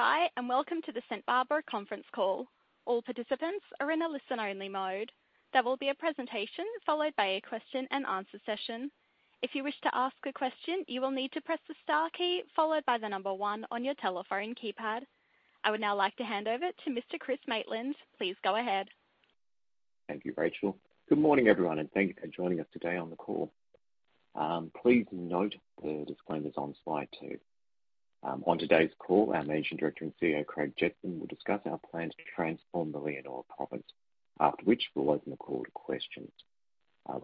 Hi, and welcome to the St Barbara conference call. All participants are in a listen-only mode. There will be a presentation followed by a question and answer session. If you wish to ask a question, you will need to press the star key followed by one on your telephone keypad. I would now like to hand over to Mr. Chris Maitland. Please go ahead. Thank you, Rachel. Good morning, everyone, and thank you for joining us today on the call. Please note the disclaimers on slide two. On today's call, our Managing Director and CEO, Craig Jetson, will discuss our plans to transform the Leonora Province. After which, we'll open the call to questions.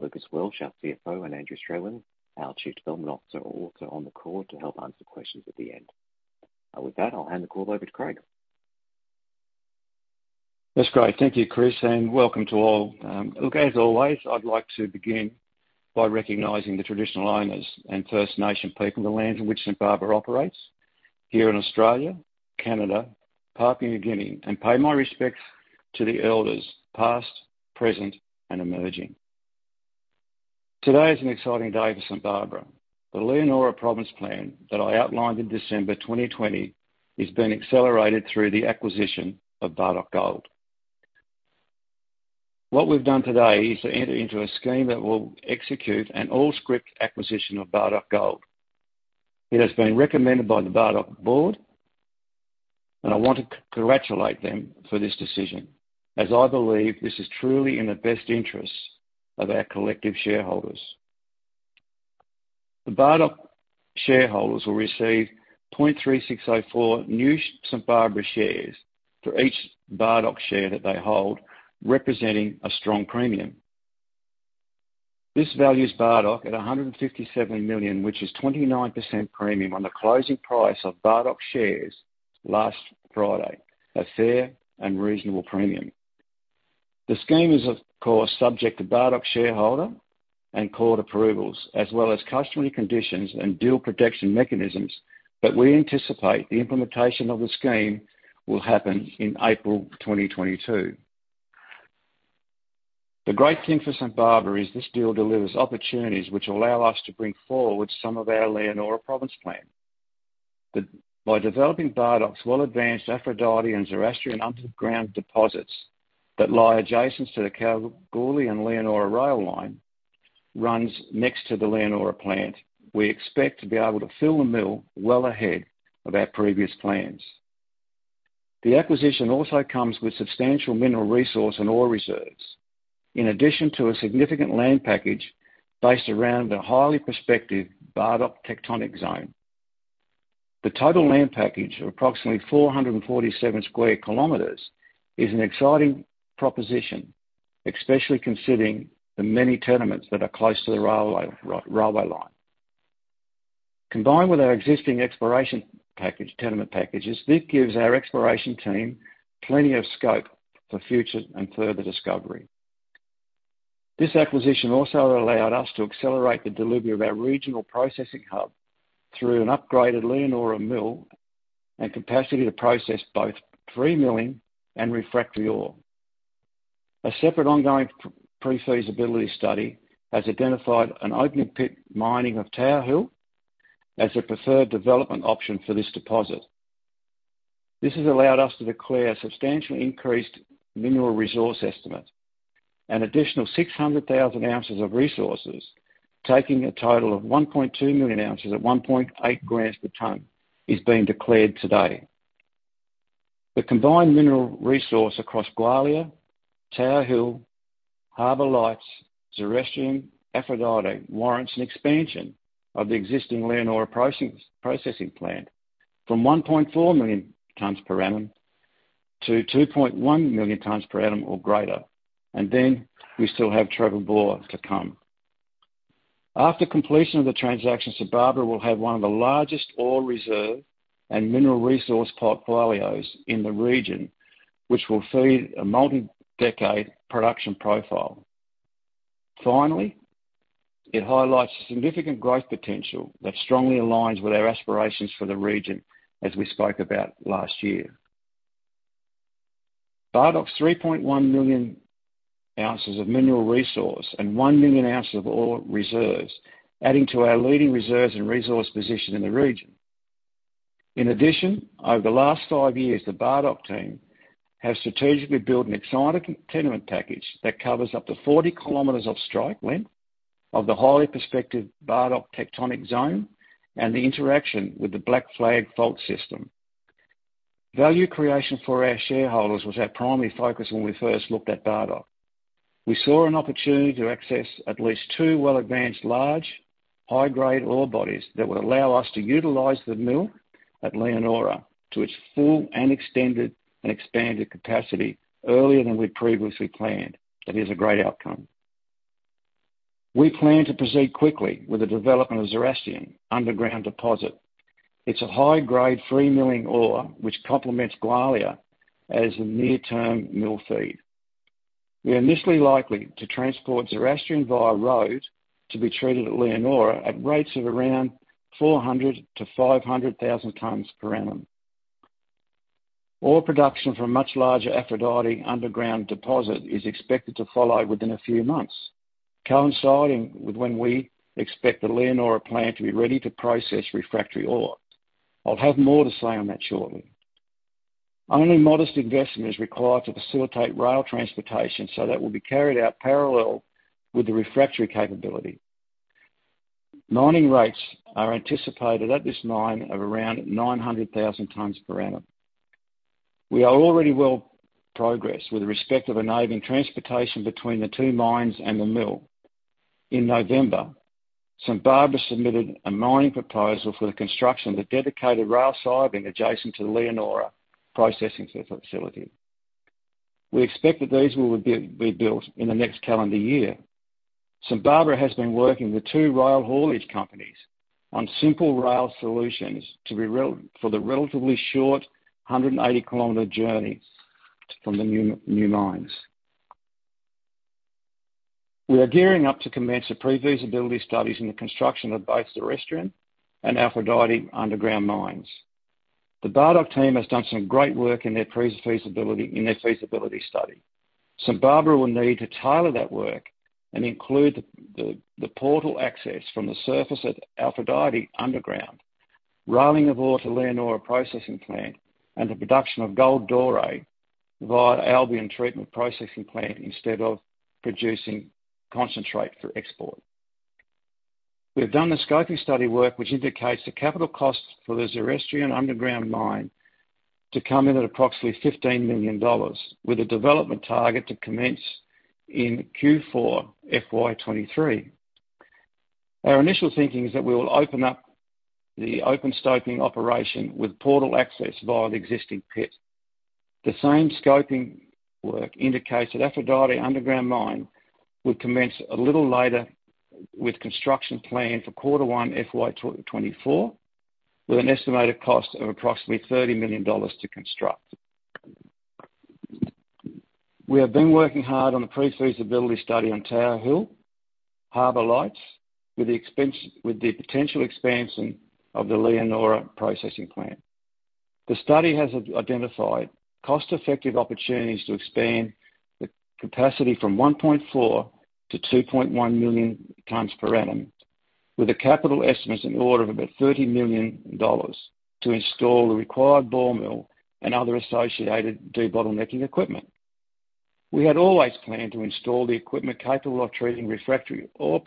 Lucas Welsh, our CFO, and Andrew Strelein, our Chief Development Officer, are also on the call to help answer questions at the end. With that, I'll hand the call over to Craig. That's great. Thank you, Chris, and welcome to all. Look, as always, I'd like to begin by recognizing the traditional owners and First Nation people in the lands in which St Barbara operates here in Australia, Canada, Papua New Guinea, and pay my respects to the elders past, present, and emerging. Today is an exciting day for St Barbara. The Leonora Province Plan that I outlined in December 2020 is being accelerated through the acquisition of Bardoc Gold. What we've done today is to enter into a scheme that will execute an all-scrip acquisition of Bardoc Gold. It has been recommended by the Bardoc board, and I want to congratulate them for this decision as I believe this is truly in the best interest of our collective shareholders. The Bardoc shareholders will receive 0.3604 new St. Barbara shares for each Bardoc share that they hold, representing a strong premium. This values Bardoc at 157 million, which is 29% premium on the closing price of Bardoc shares last Friday, a fair and reasonable premium. The scheme is, of course, subject to Bardoc shareholder and court approvals as well as customary conditions and deal protection mechanisms that we anticipate the implementation of the scheme will happen in April 2022. The great thing for St Barbara is this deal delivers opportunities which allow us to bring forward some of our Leonora Province Plan. By developing Bardoc's well-advanced Aphrodite and Zoroastrian underground deposits that lie adjacent to the Kalgoorlie and Leonora rail line, which runs next to the Leonora plant, we expect to be able to fill the mill well ahead of our previous plans. The acquisition also comes with substantial mineral resource and ore reserves. In addition to a significant land package based around the highly prospective Bardoc Tectonic Zone, the total land package of approximately 447 sq km is an exciting proposition, especially considering the many tenements that are close to the railway line. Combined with our existing exploration package, tenement packages, this gives our exploration team plenty of scope for future and further discovery. This acquisition also allowed us to accelerate the delivery of our regional processing hub through an upgraded Leonora mill and capacity to process both free milling and refractory ore. A separate ongoing pre-feasibility study has identified an open pit mining of Tower Hill as a preferred development option for this deposit. This has allowed us to declare substantially increased mineral resource estimate. An additional 600,000 ounces of resources, taking a total of 1.2 million ounces at 1.8 grams per ton, is being declared today. The combined mineral resource across Gwalia, Tower Hill, Harbour Lights, Zoroastrian, Aphrodite warrants an expansion of the existing Leonora processing plant from 1.4 million tons per annum to 2 million tons per annum or greater. We still have Trevor Bore to come. After completion of the transaction, St Barbara will have one of the largest ore reserve and mineral resource portfolios in the region, which will feed a multi-decade production profile. Finally, it highlights significant growth potential that strongly aligns with our aspirations for the region as we spoke about last year. Bardoc's 3.1 million ounces of mineral resource and 1 million ounces of ore reserves, adding to our leading reserves and resource position in the region. In addition, over the last five years, the Bardoc team have strategically built an exciting tenement package that covers up to 40 km of strike length of the highly prospective Bardoc Tectonic Zone and the interaction with the Black Flag fault system. Value creation for our shareholders was our primary focus when we first looked at Bardoc. We saw an opportunity to access at least two well-advanced, large, high-grade ore bodies that would allow us to utilize the mill at Leonora to its full and extended and expanded capacity earlier than we previously planned. That is a great outcome. We plan to proceed quickly with the development of Zoroastrian underground deposit. It's a high-grade free milling ore, which complements Gwalia as a near-term mill feed. We are initially likely to transport Zoroastrian via road to be treated at Leonora at rates of around 400,000-500,000 tons per annum. Ore production from much larger Aphrodite underground deposit is expected to follow within a few months. Coinciding with when we expect the Leonora plant to be ready to process refractory ore. I'll have more to say on that shortly. Only modest investment is required to facilitate rail transportation, so that will be carried out parallel with the refractory capability. Mining rates are anticipated at this mine of around 900,000 tons per annum. We are already well progressed with respect to enabling transportation between the two mines and the mill. In November, St. Barbara submitted a mining proposal for the construction of a dedicated rail siding adjacent to the Leonora processing facility. We expect that these will be built in the next calendar year. St Barbara has been working with two rail haulage companies on simple rail solutions for the relatively short 180 km journey from the new mines. We are gearing up to commence the pre-feasibility studies and the construction of both the Zoroastrian and Aphrodite underground mines. The Bardoc team has done some great work in their feasibility study. St Barbara will need to tailor that work and include the portal access from the surface at Aphrodite underground, railing ore to Leonora processing plant, and the production of gold doré via Albion treatment processing plant instead of producing concentrate for export. We have done the scoping study work which indicates the capital cost for the Zoroastrian underground mine to come in at approximately 15 million dollars, with a development target to commence in Q4 FY 2023. Our initial thinking is that we will open up the open stoping operation with portal access via the existing pit. The same scoping work indicates that Aphrodite underground mine will commence a little later with construction planned for quarter one FY 2024, with an estimated cost of approximately 30 million dollars to construct. We have been working hard on the pre-feasibility study on Tower Hill, Harbour Lights with the potential expansion of the Leonora processing plant. The study has identified cost-effective opportunities to expand the capacity from 1.4-2.1 million tonnes per annum, with capital estimates in the order of about 30 million dollars to install the required ball mill and other associated debottlenecking equipment. We had always planned to install the equipment capable of treating refractory ore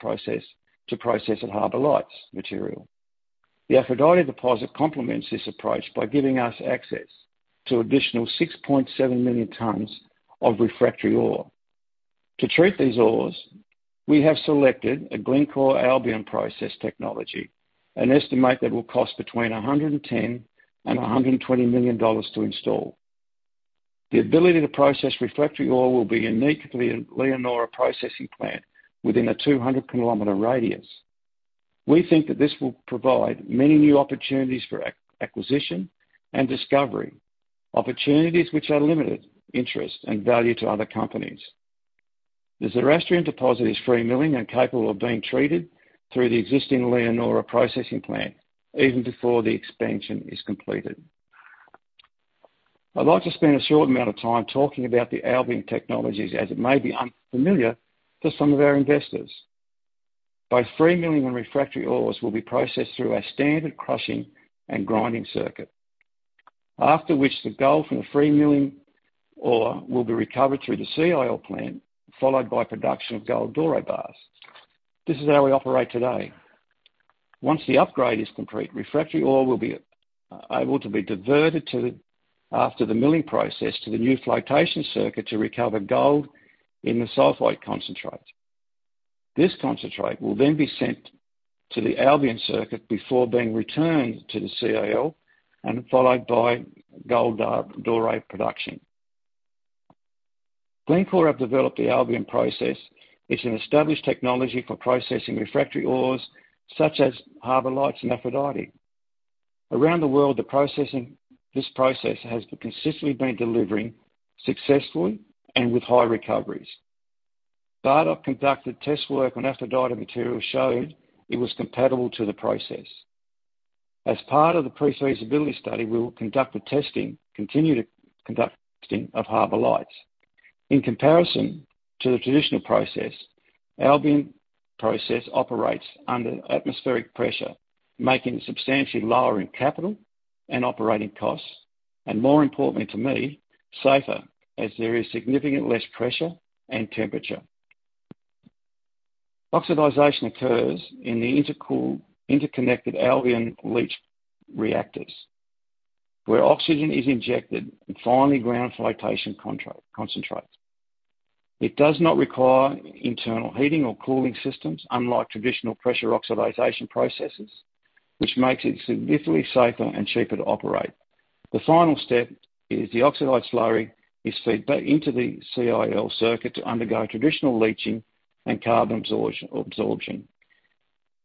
process to process at Harbour Lights material. The Aphrodite deposit complements this approach by giving us access to additional 6.7 million tonnes of refractory ore. To treat these ores, we have selected a Glencore Albion Process technology, an estimate that will cost between 110 million and 120 million dollars to install. The ability to process refractory ore will be unique to the Leonora processing plant within a 200-km radius. We think that this will provide many new opportunities for acquisition and discovery, opportunities which are of limited interest and value to other companies. The Zoroastrian deposit is free milling and capable of being treated through the existing Leonora processing plant even before the expansion is completed. I'd like to spend a short amount of time talking about the Albion technologies as it may be unfamiliar to some of our investors. Both free milling and refractory ores will be processed through our standard crushing and grinding circuit. After which, the gold from the free milling ore will be recovered through the CIL plant, followed by production of gold doré bars. This is how we operate today. Once the upgrade is complete, refractory ore will be able to be diverted to, after the milling process, to the new flotation circuit to recover gold in the sulfide concentrate. This concentrate will then be sent to the Albion circuit before being returned to the CIL and followed by gold doré production. Glencore has developed the Albion Process. It's an established technology for processing refractory ores such as Harbour Lights and Aphrodite. Around the world, this process has consistently been delivering successfully and with high recoveries. We conducted test work on Aphrodite material showed it was compatible to the process. As part of the pre-feasibility study, we will conduct the testing, continue conducting of Harbour Lights. In comparison to the traditional process, Albion Process operates under atmospheric pressure, making it substantially lower in capital and operating costs, and more importantly to me, safer as there is significantly less pressure and temperature. Oxidation occurs in the interconnected Albion Leach Reactors, where oxygen is injected in finely ground flotation concentrate. It does not require internal heating or cooling systems, unlike traditional pressure oxidation processes, which makes it significantly safer and cheaper to operate. The final step is the oxide slurry is fed back into the CIL circuit to undergo traditional leaching and carbon adsorption.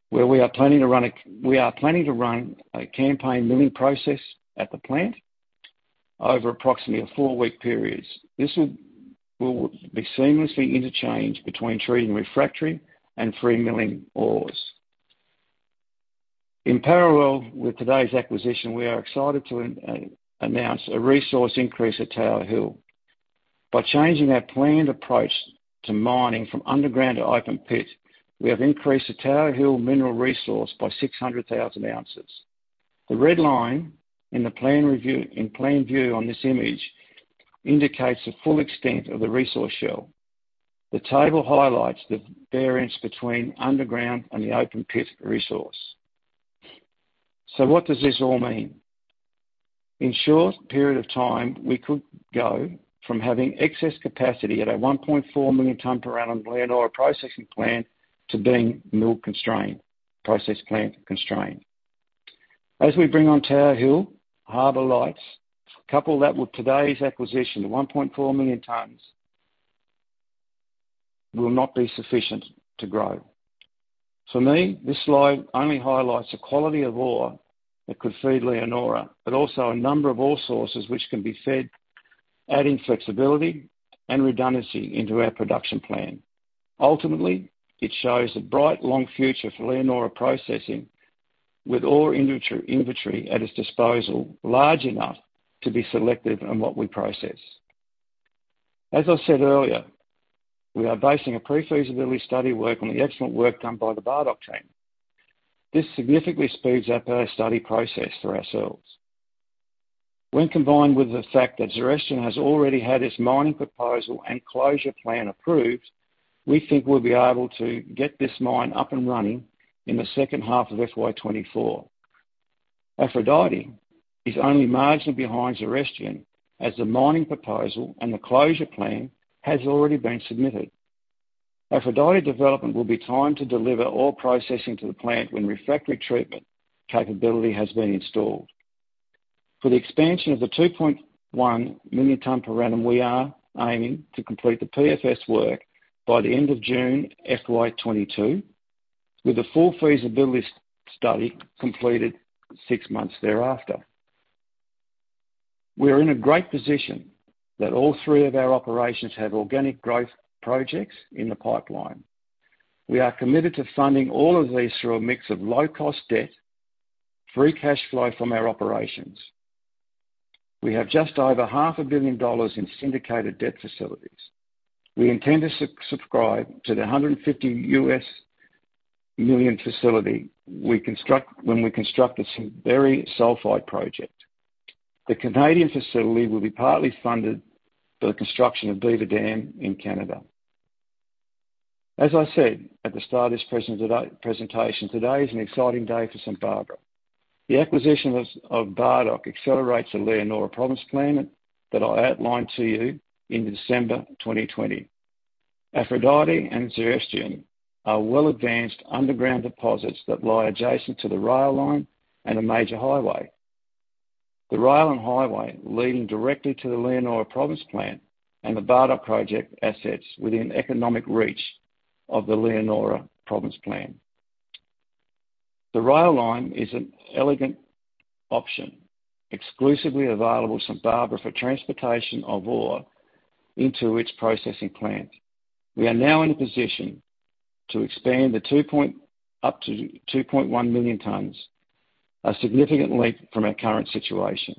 Where we are planning to run a campaign milling process at the plant over approximately a 4-week period. This will be seamlessly interchanged between treating refractory and free milling ores. In parallel with today's acquisition, we are excited to announce a resource increase at Tower Hill. By changing our planned approach to mining from underground to open pit, we have increased the Tower Hill mineral resource by 600,000 ounces. The red line in plan view on this image indicates the full extent of the resource shell. The table highlights the variance between underground and the open pit resource. What does this all mean? In a short period of time, we could go from having excess capacity at a 1.4 million ton per annum Leonora processing plant to being mill constrained, process plant constrained. As we bring on Tower Hill, Harbour Lights, couple that with today's acquisition of 1.4 million tons will not be sufficient to grow. For me, this slide only highlights the quality of ore that could feed Leonora, but also a number of ore sources which can be fed, adding flexibility and redundancy into our production plan. Ultimately, it shows a bright long future for Leonora processing with ore inventory at its disposal, large enough to be selective in what we process. As I said earlier, we are basing a pre-feasibility study work on the excellent work done by the Bardoc team. This significantly speeds up our study process for ourselves. When combined with the fact that Zoroastrian has already had its mining proposal and closure plan approved, we think we'll be able to get this mine up and running in the second half of FY 2024. Aphrodite is only marginally behind Zoroastrian, as the mining proposal and the closure plan has already been submitted. Aphrodite development will be timed to deliver all processing to the plant when refractory treatment capability has been installed. For the expansion of the 2.1 million ton per annum, we are aiming to complete the PFS work by the end of June FY 2022, with the full feasibility study completed six months thereafter. We are in a great position that all three of our operations have organic growth projects in the pipeline. We are committed to funding all of these through a mix of low-cost debt, free cash flow from our operations. We have just over 0.5 billion dollars in syndicated debt facilities. We intend to subscribe to the $150 million facility when we construct the Simberi sulfide project. The Canadian facility will be partly funded by the construction of Beaver Dam in Canada. As I said at the start of this presentation, today is an exciting day for St Barbara. The acquisition of Bardoc accelerates the Leonora Province Plan that I outlined to you in December 2020. Aphrodite and Zoroastrian are well-advanced underground deposits that lie adjacent to the rail line and a major highway. The rail and highway leading directly to the Leonora Province Plant and the Bardoc project assets within economic reach of the Leonora Province Plan. The rail line is an elegant option, exclusively available to St Barbara for transportation of ore into its processing plant. We are now in a position to expand up to 2.1 million tons, a significant leap from our current situation.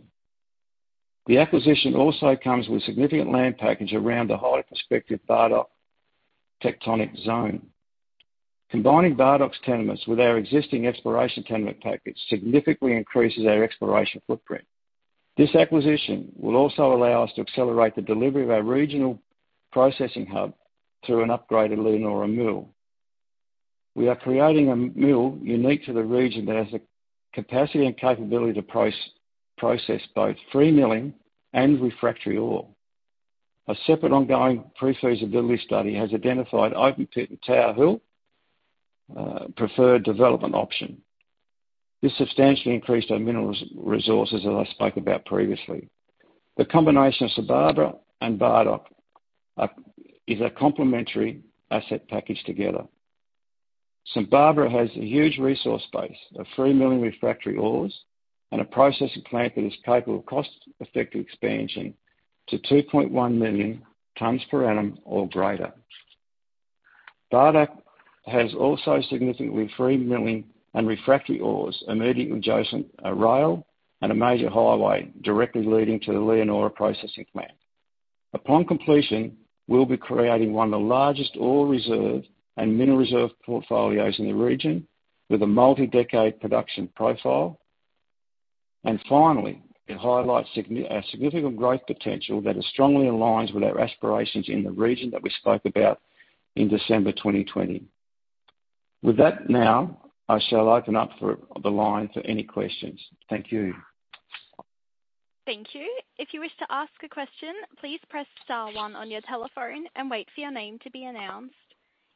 The acquisition also comes with significant land package around the highly prospective Bardoc tectonic zone. Combining Bardoc's tenements with our existing exploration tenement package significantly increases our exploration footprint. This acquisition will also allow us to accelerate the delivery of our regional processing hub through an upgraded Leonora mill. We are creating a mill unique to the region that has the capacity and capability to process both free milling and refractory ore. A separate ongoing pre-feasibility study has identified open pit Tower Hill preferred development option. This substantially increased our mineral resources as I spoke about previously. The combination of St Barbara and Bardoc is a complementary asset package together. St Barbara has a huge resource base of free milling refractory ores and a processing plant that is capable of cost-effective expansion to 2.1 million tons per annum or greater. Bardoc has also significant free milling and refractory ores immediately adjacent to rail and a major highway directly leading to the Leonora Processing Plant. Upon completion, we'll be creating one of the largest ore reserve and mineral reserve portfolios in the region with a multi-decade production profile. Finally, it highlights our significant growth potential that is strongly aligns with our aspirations in the region that we spoke about in December 2020. With that now, I shall open up the line for any questions. Thank you. Thank you. If you wish to ask a question, please press star one on your telephone and wait for your name to be announced.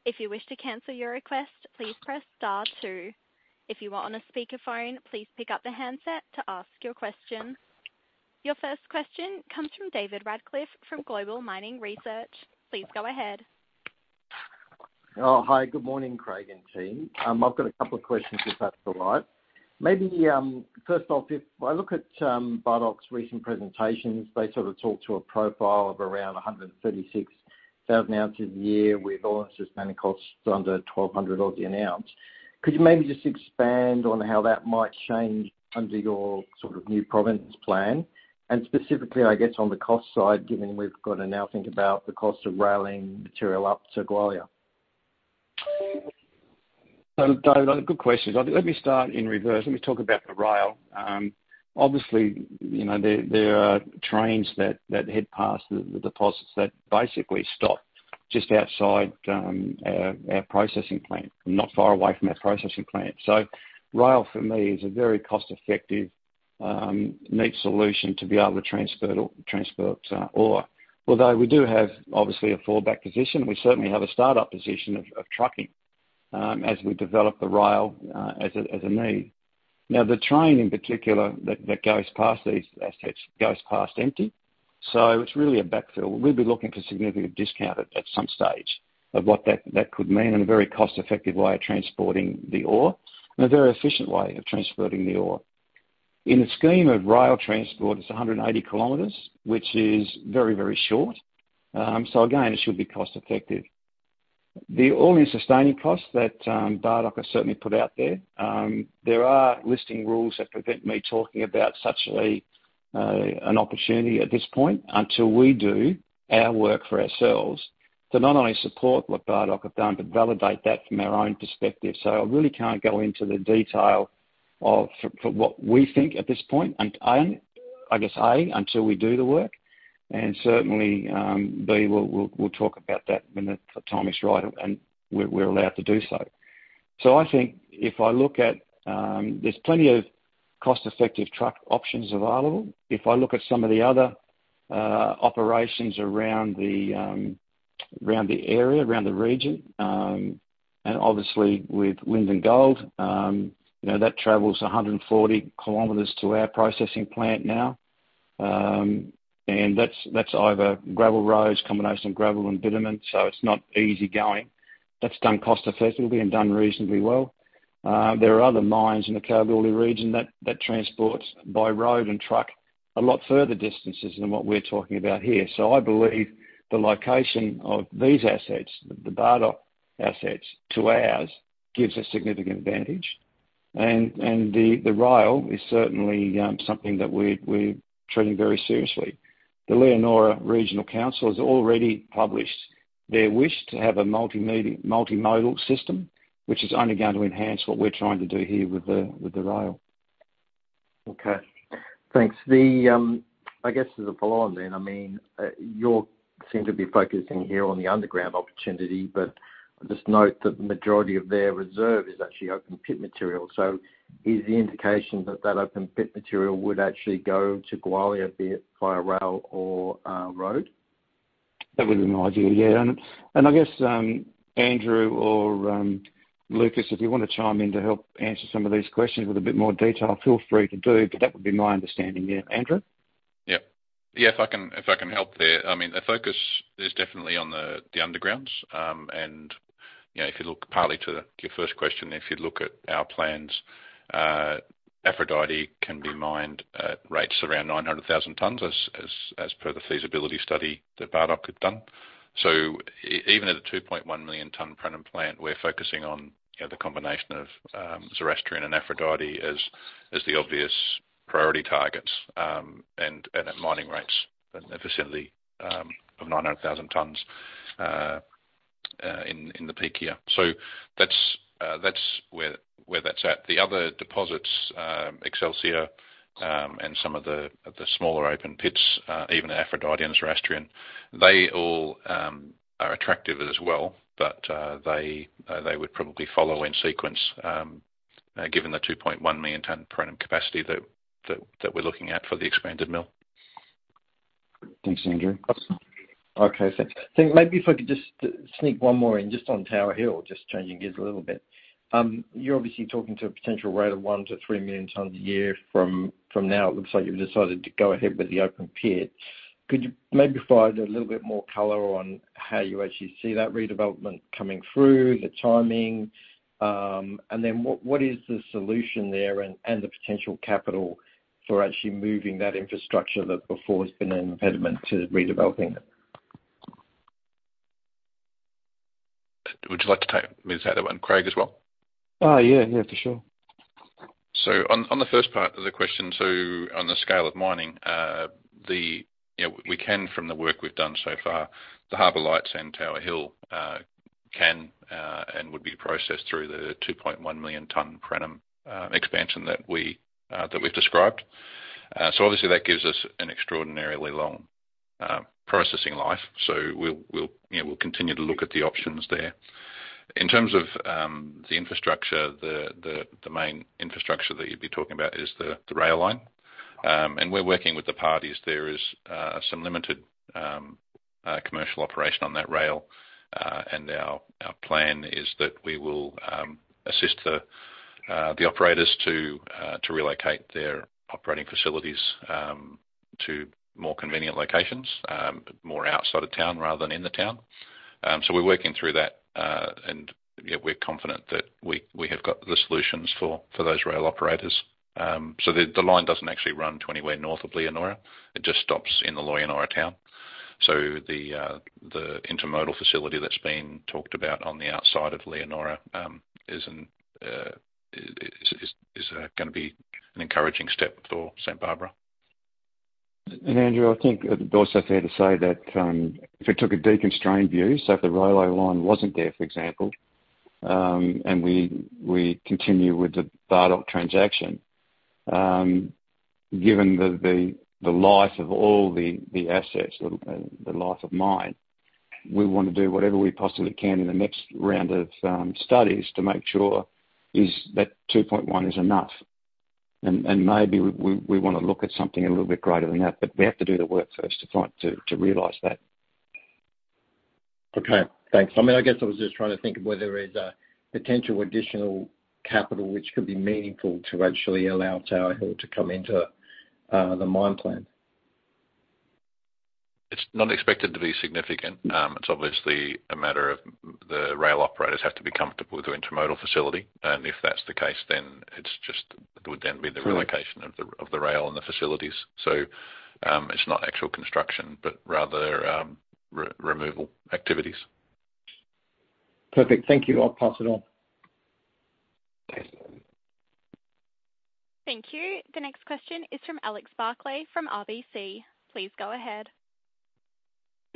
If you wish to cancel your request, please press star two. If you are on a speakerphone, please pick up the handset to ask your question. Your first question comes from David Radclyffe from Global Mining Research. Please go ahead. Good morning, Craig and team. I've got a couple of questions, if that's all right. Maybe first off, if I look at Bardoc's recent presentations, they sort of talk to a profile of around 136,000 ounces a year with all-in sustaining costs under 1,200 an ounce. Could you maybe just expand on how that might change under your sort of new Province Plan? Specifically, I guess, on the cost side, given we've got to now think about the cost of railing material up to Gwalia. David, good question. Let me start in reverse. Let me talk about the rail. Obviously, you know, there are trains that head past the deposits that basically stop just outside our processing plant, not far away from our processing plant. Rail for me is a very cost effective neat solution to be able to transfer it or transport ore. Although we do have, obviously, a fallback position, we certainly have a start-up position of trucking as we develop the rail as a need. Now, the train in particular that goes past these assets goes past empty. It's really a backfill. We'll be looking for significant discount at some stage to what that could mean, and a very cost-effective way of transporting the ore, and a very efficient way of transporting the ore. In the scheme of rail transport, it's 180 km, which is very, very short. It should be cost-effective. The all-in sustaining costs that Bardoc has certainly put out there. There are listing rules that prevent me talking about such an opportunity at this point until we do our work for ourselves to not only support what Bardoc have done, but validate that from our own perspective. I really can't go into the detail of for what we think at this point, and I guess A, until we do the work, and certainly B, we'll talk about that when the time is right and we're allowed to do so. I think there's plenty of cost-effective truck options available. If I look at some of the other operations around the area, around the region, and obviously with Linden Gold, you know, that travels 140 km to our processing plant now. That's over gravel roads, combination of gravel and bitumen, so it's not easy going. That's done cost effectively and done reasonably well. There are other mines in the Kalgoorlie region that transport by road and truck a lot further distances than what we're talking about here. I believe the location of these assets, the Bardoc assets, to ours, gives a significant advantage. The rail is certainly something that we're treating very seriously. The Shire of Leonora has already published their wish to have a multimodal system, which is only going to enhance what we're trying to do here with the rail. Okay. Thanks. I guess as a follow-on then, I mean, you seem to be focusing here on the underground opportunity, but I just note that the majority of their reserve is actually open pit material. Is the indication that that open pit material would actually go to Gwalia, be it via rail or road? That would be my view, yeah. I guess, Andrew or, Lucas, if you want to chime in to help answer some of these questions with a bit more detail, feel free to do. That would be my understanding, yeah. Andrew? Yeah. Yeah, if I can help there. I mean, the focus is definitely on the undergrounds. And you know, if you look partly to your first question, if you look at our plans, Aphrodite can be mined at rates around 900,000 tons as per the feasibility study that Bardoc had done. So even at a 2.1 million ton per annum plant, we're focusing on, you know, the combination of Zoroastrian and Aphrodite as the obvious priority targets, and at mining rates in the vicinity of 900,000 tons in the peak year. So that's where that's at. The other deposits, Excelsior, and some of the smaller open pits, even Aphrodite and Zoroastrian, they all are attractive as well, but they would probably follow in sequence, given the 2.1 million ton per annum capacity that we're looking at for the expanded mill. Thanks, Andrew. Awesome. Okay, thanks. Think maybe if I could just sneak one more in, just on Tower Hill, just changing gears a little bit. You're obviously talking to a potential rate of 1-3 million tons a year from now. It looks like you've decided to go ahead with the open pit. Could you maybe provide a little bit more color on how you actually see that redevelopment coming through, the timing? And then what is the solution there and the potential capital for actually moving that infrastructure that before has been an impediment to redeveloping it? Would you like me to take that one, Craig, as well? Yeah. Yeah, for sure. On the first part of the question, on the scale of mining, you know, we can from the work we've done so far, the Harbour Lights and Tower Hill can and would be processed through the 2.1 million ton per annum expansion that we've described. Obviously, that gives us an extraordinarily long processing life. We'll, you know, continue to look at the options there. In terms of the infrastructure, the main infrastructure that you'd be talking about is the rail line. We're working with the parties. There is some limited commercial operation on that rail. Our plan is that we will assist the operators to relocate their operating facilities to more convenient locations, more outside of town rather than in the town. We're working through that, and you know, we're confident that we have got the solutions for those rail operators. The line doesn't actually run 20 km north of Leonora. It just stops in the Leonora town. The intermodal facility that's been talked about on the outside of Leonora is gonna be an encouraging step for St Barbara. Andrew, I think it's also fair to say that, if we took a deconstrained view, so if the railway line wasn't there, for example, and we continue with the Bardoc transaction, given the life of all the assets or the life of mine, we wanna do whatever we possibly can in the next round of studies to make sure that 2.1 is enough. Maybe we wanna look at something a little bit greater than that, but we have to do the work first to realize that. Okay. Thanks. I mean, I guess I was just trying to think of where there is a potential additional capital which could be meaningful to actually allow Tower Hill to come into the mine plan. It's not expected to be significant. It's obviously a matter of the rail operators have to be comfortable with the intermodal facility. If that's the case, then it's just it would then be the relocation of the rail and the facilities. It's not actual construction, but rather, removal activities. Perfect. Thank you. I'll pass it on. Thanks. Thank you. The next question is from Alex Barclay from RBC. Please go ahead.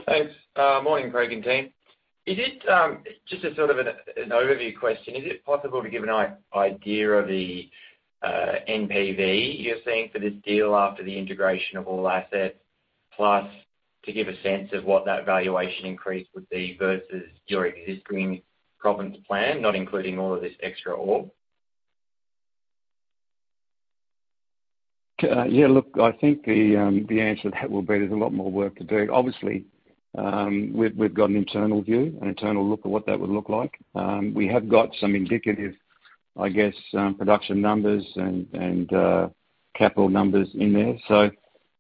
Thanks. Morning, Craig and team. Is it just a sort of an overview question, is it possible to give an idea of the NPV you're seeing for this deal after the integration of all assets, plus to give a sense of what that valuation increase would be versus your existing Province Plan, not including all of this extra ore? Yeah, look, I think the answer to that will be there's a lot more work to do. Obviously, we've got an internal view, an internal look at what that would look like. We have got some indicative, I guess, production numbers and capital numbers in there.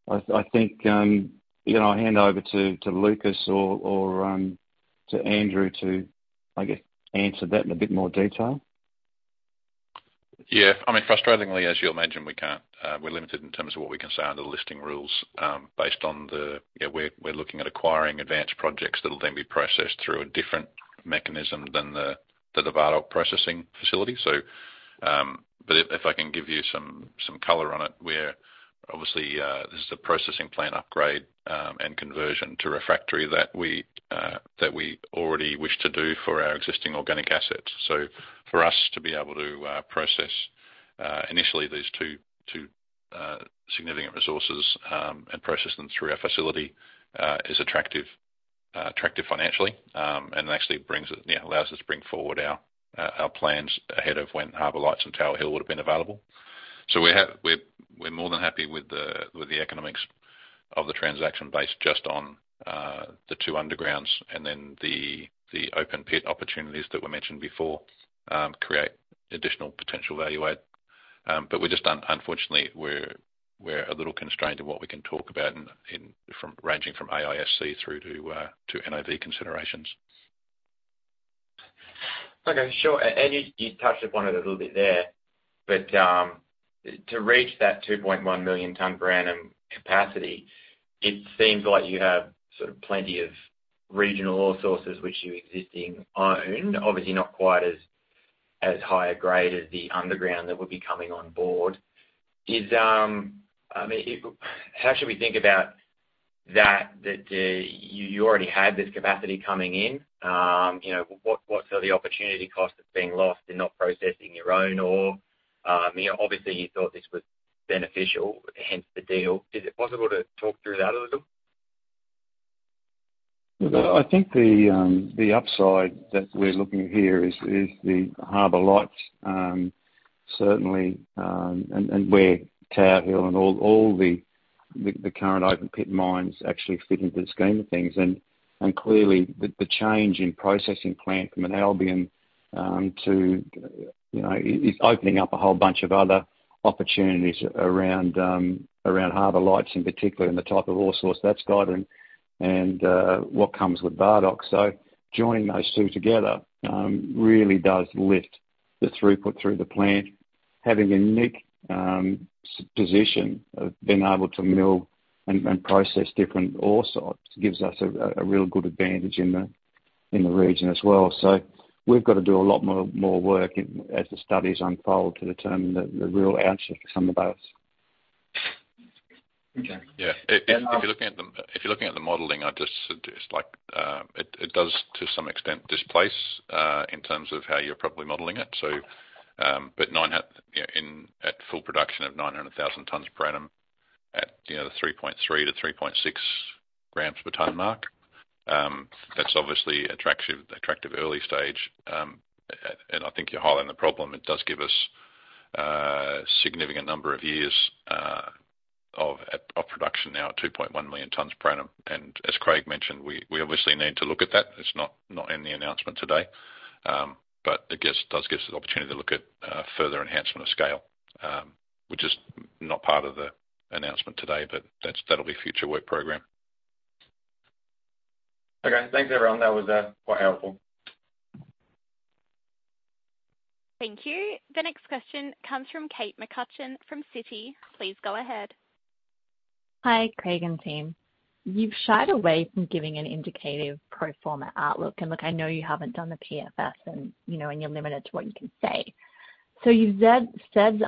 I think, you know, I'll hand over to Lucas or to Andrew to, I guess, answer that in a bit more detail. Yeah. I mean, frustratingly, as you'll imagine, we can't, we're limited in terms of what we can say under the listing rules based on the. Yeah, we're looking at acquiring advanced projects that will then be processed through a different mechanism than the Bardoc processing facility. But if I can give you some color on it, we're obviously this is a processing plant upgrade and conversion to refractory that we already wish to do for our existing organic assets. For us to be able to process initially these two significant resources and process them through our facility is attractive financially and actually brings it, you know, allows us to bring forward our plans ahead of when Harbour Lights and Tower Hill would have been available. We're more than happy with the economics of the transaction based just on the two undergrounds and then the open pit opportunities that were mentioned before create additional potential value add. Unfortunately, we're a little constrained in what we can talk about ranging from AISC through to NPV considerations. Okay, sure. You touched upon it a little bit there, but to reach that 2.1 million tons per annum capacity, it seems like you have sort of plenty of regional ore sources which you own, obviously not quite as high grade as the underground that would be coming on board. I mean, how should we think about that you already had this capacity coming in? You know, what are the opportunity costs that's being lost in not processing your own ore? You know, obviously you thought this was beneficial, hence the deal. Is it possible to talk through that a little? Look, I think the upside that we're looking here is the Harbour Lights certainly and where Tower Hill and all the current open pit mines actually fit into the scheme of things. Clearly, the change in processing plant from an Albion to you know is opening up a whole bunch of other opportunities around Harbour Lights in particular and the type of ore source that's coming and what comes with Bardoc. Joining those two together really does lift the throughput through the plant. Having a unique position of being able to mill and process different ore sites gives us a real good advantage in the region as well. We've got to do a lot more work as the studies unfold to determine the real answer for some of those. Okay. Yeah. If you're looking at the modeling, I'd just suggest, like, it does to some extent displace in terms of how you're probably modeling it. 900,000, you know, in at full production of 900,000 tons per annum at, you know, the 3.3-3.6 grams per ton mark, that's obviously attractive early stage. I think you highlight the problem. It does give us a significant number of years of production now at 2.1 million tons per annum. As Craig mentioned, we obviously need to look at that. It's not in the announcement today. I guess it does give us the opportunity to look at further enhancement of scale, which is not part of the announcement today, but that's, that'll be future work program. Okay, thanks everyone. That was quite helpful. Thank you. The next question comes from Kate McCutcheon from Citi. Please go ahead. Hi, Craig and team. You've shied away from giving an indicative pro forma outlook. Look, I know you haven't done the PFS and, you know, you're limited to what you can say. You've said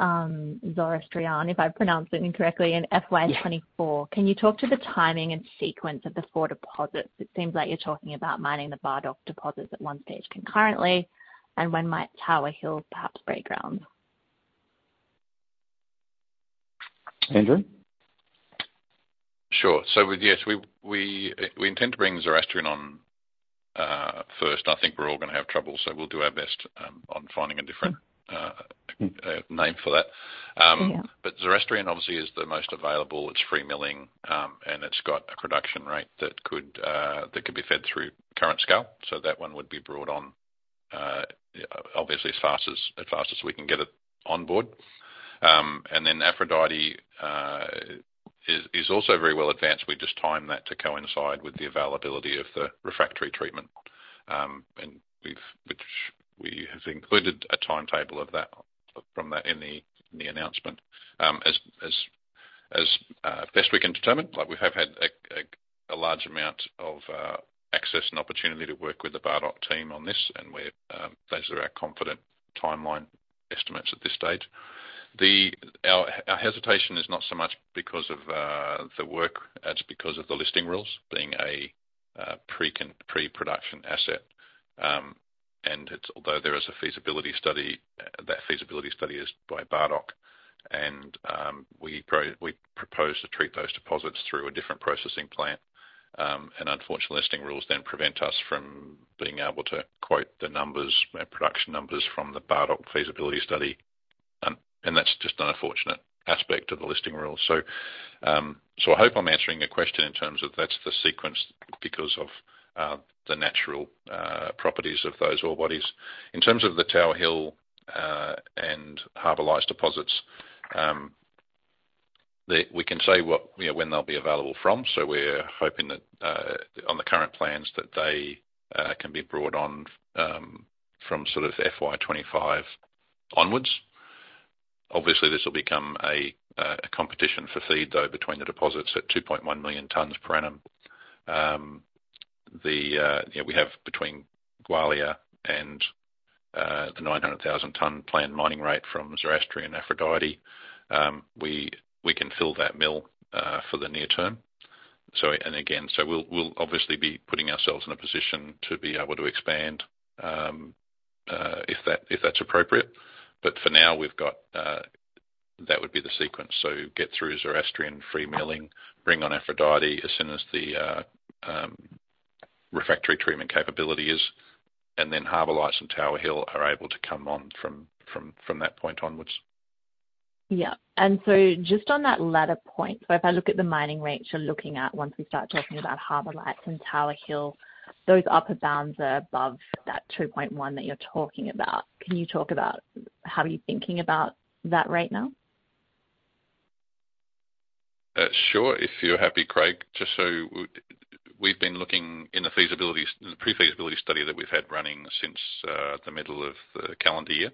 Zoroastrian, if I've pronounced it incorrectly, in FY 2024. Can you talk to the timing and sequence of the four deposits? It seems like you're talking about mining the Bardoc deposits at one stage concurrently, and when might Tower Hill perhaps break ground? Andrew? Sure. Yes, we intend to bring Zoroastrian on first. I think we're all gonna have trouble, so we'll do our best on finding a different name for that. Zoroastrian obviously is the most available. It's free milling, and it's got a production rate that could be fed through current scale. That one would be brought on, obviously as fast as we can get it on board. Aphrodite is also very well advanced. We just time that to coincide with the availability of the refractory treatment. We have included a timetable of that from that in the announcement, as best we can determine. Like, we have had a large amount of access and opportunity to work with the Bardoc team on this, and those are our confident timeline estimates at this stage. Our hesitation is not so much because of the work. It's because of the listing rules being a pre-production asset, although there is a feasibility study, that feasibility study is by Bardoc. We propose to treat those deposits through a different processing plant. Unfortunately, listing rules then prevent us from being able to quote the numbers, our production numbers from the Bardoc feasibility study. That's just an unfortunate aspect of the listing rules. I hope I'm answering your question in terms of that's the sequence because of the natural properties of those ore bodies. In terms of the Tower Hill and Harbour Lights deposits, we can say what, you know, when they'll be available from. We're hoping that on the current plans that they can be brought on from sort of FY 2025 onwards. Obviously, this will become a competition for feed, though, between the deposits at 2.1 million tons per annum. You know, we have between Gwalia and the 900,000-ton planned mining rate from Zoroastrian Aphrodite, we can fill that mill for the near term. We'll obviously be putting ourselves in a position to be able to expand if that's appropriate. For now we've got that would be the sequence. Get through Zoroastrian free milling, bring on Aphrodite as soon as the refractory treatment capability is, and then Harbour Lights and Tower Hill are able to come on from that point onwards. Yeah. Just on that latter point, so if I look at the mining rates you're looking at once we start talking about Harbour Lights and Tower Hill, those upper bounds are above that 2.1 that you're talking about. Can you talk about how you're thinking about that right now? Sure, if you're happy, Craig. We've been looking in the feasibility, the pre-feasibility study that we've had running since the middle of the calendar year.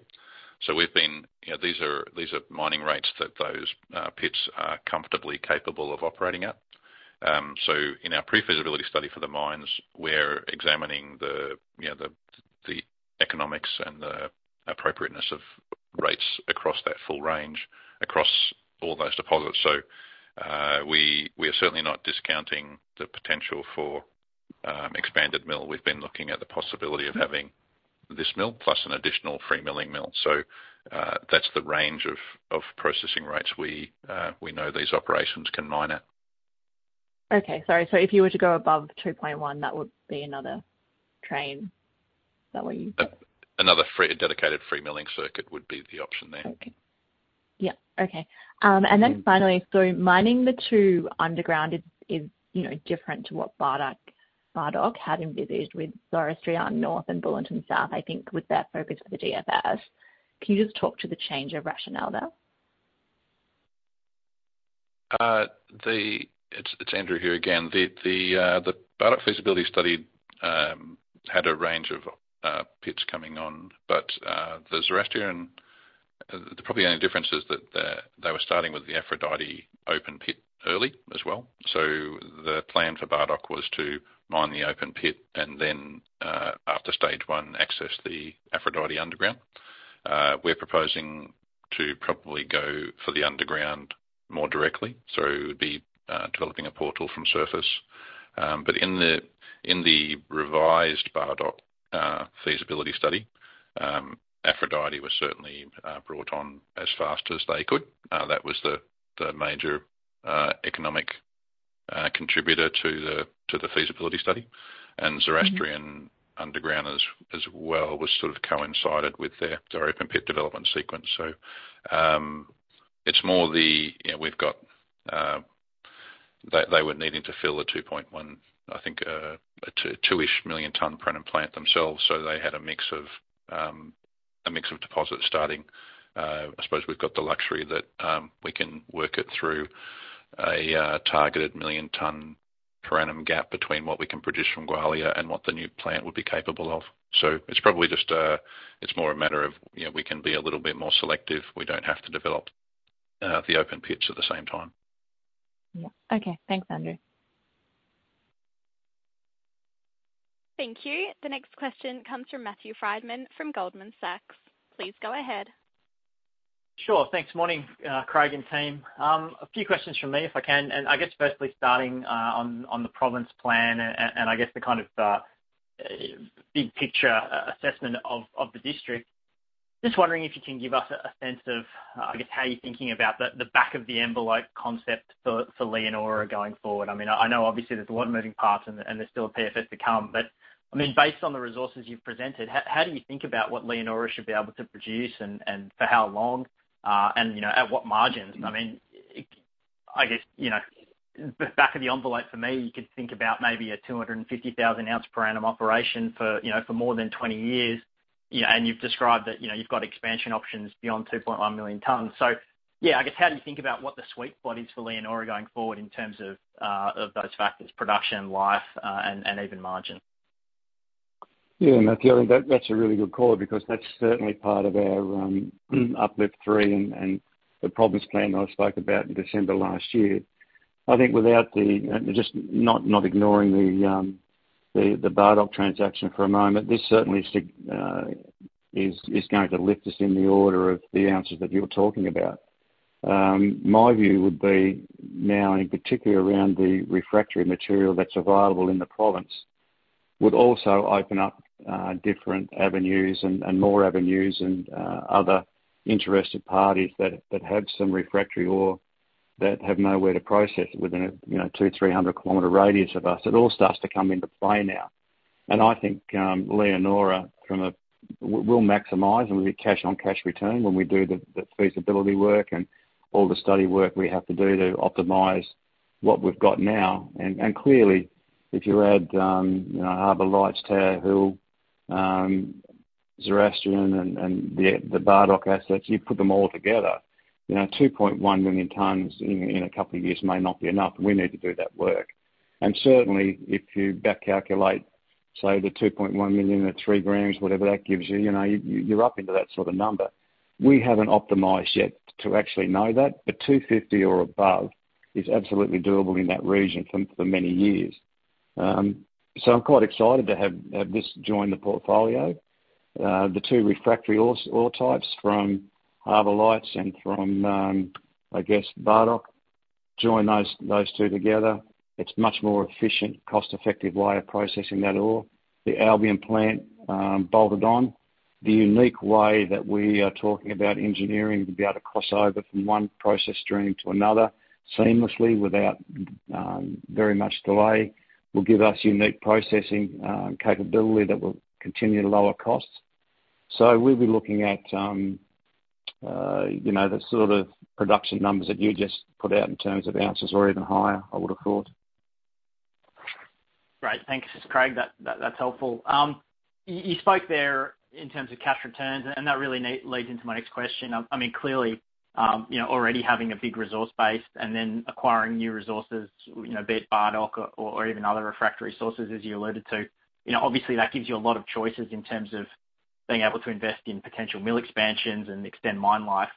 We've been, you know, these are mining rates that those pits are comfortably capable of operating at. In our pre-feasibility study for the mines, we're examining the, you know, the economics and the appropriateness of rates across that full range, across all those deposits. We are certainly not discounting the potential for expanded mill. We've been looking at the possibility of having this mill plus an additional free milling mill. That's the range of processing rates we know these operations can mine at. Okay, sorry. If you were to go above 2.1, that would be another train? Is that what you? A dedicated free milling circuit would be the option there. Okay. Yeah, okay. Mining the two underground is, you know, different to what Bardoc had envisioned with Zoroastrian North and Bulletin South, I think with their focus for the DFS. Can you just talk to the change of rationale there? It's Andrew here again. The Bardoc feasibility study had a range of pits coming on, but the Zoroastrian, the probably only difference is that they were starting with the Aphrodite open pit early as well. The plan for Bardoc was to mine the open pit and then, after stage one, access the Aphrodite underground. We're proposing to probably go for the underground more directly, developing a portal from surface. But in the revised Bardoc feasibility study, Aphrodite was certainly brought on as fast as they could. That was the major economic contributor to the feasibility study. Zoroastrian underground as well was sort of coincided with their open pit development sequence. It's more that, you know, we've got, they were needing to fill a 2.1, I think, a 2.2-ish million ton per annum plant themselves, so they had a mix of. A mix of deposits starting. I suppose we've got the luxury that we can work it through a targeted 1 million ton per annum gap between what we can produce from Gwalia and what the new plant would be capable of. It's probably just more a matter of, you know, we can be a little bit more selective. We don't have to develop the open pits at the same time. Yeah. Okay. Thanks, Andrew. Thank you. The next question comes from Matthew Frydman from Goldman Sachs. Please go ahead. Sure. Thanks. Morning, Craig and team. A few questions from me, if I can, and I guess firstly, starting on the Province Plan and I guess the kind of big picture assessment of the district. Just wondering if you can give us a sense of, I guess, how you're thinking about the back of the envelope concept for Leonora going forward. I mean, I know obviously there's a lot of moving parts and there's still a PFS to come. I mean, based on the resources you've presented, how do you think about what Leonora should be able to produce and for how long, and you know, at what margins? I mean, I guess, you know, back of the envelope for me, you could think about maybe a 250,000-ounce per annum operation for, you know, for more than 20 years. You know, you've described that, you know, you've got expansion options beyond 2.1 million tons. Yeah, I guess, how do you think about what the sweet spot is for Leonora going forward in terms of those factors, production life, and even margin? Yeah, Matthew, that's a really good call because that's certainly part of our uplift three and the Province Plan I spoke about in December last year. I think, not ignoring the Bardoc transaction for a moment, this certainly is going to lift us in the order of the answers that you're talking about. My view would be now, in particular around the refractory material that's available in the province, would also open up different avenues and more avenues and other interested parties that have some refractory ore that have nowhere to process it within a, you know, 200-300 km radius of us. It all starts to come into play now. I think Leonora will maximize and will be cash-on-cash return when we do the feasibility work and all the study work we have to do to optimize what we've got now. Clearly, if you add you know, Harbour Lights, Tower Hill, Zoroastrian and the Bardoc assets, you put them all together. You know, 2.1 million tons in a couple of years may not be enough. We need to do that work. Certainly, if you back calculate, say, the 2.1 million at 3 grams, whatever that gives you know, you're up into that sort of number. We haven't optimized yet to actually know that, but 250 or above is absolutely doable in that region for many years. So I'm quite excited to have this join the portfolio. The two refractory ore types from Harbour Lights and from, I guess, Bardoc. Join those two together. It's much more efficient, cost-effective way of processing that ore. The Albion plant bolted on. The unique way that we are talking about engineering to be able to cross over from one process stream to another seamlessly without very much delay will give us unique processing capability that will continue to lower costs. We'll be looking at, you know, the sort of production numbers that you just put out in terms of ounces or even higher, I would have thought. Great. Thanks, Craig. That's helpful. You spoke there in terms of cash returns, and that really leads into my next question. I mean, clearly, you know, already having a big resource base and then acquiring new resources, you know, be it Bardoc or even other refractory sources as you alluded to, you know, obviously that gives you a lot of choices in terms of being able to invest in potential mill expansions and extend mine life.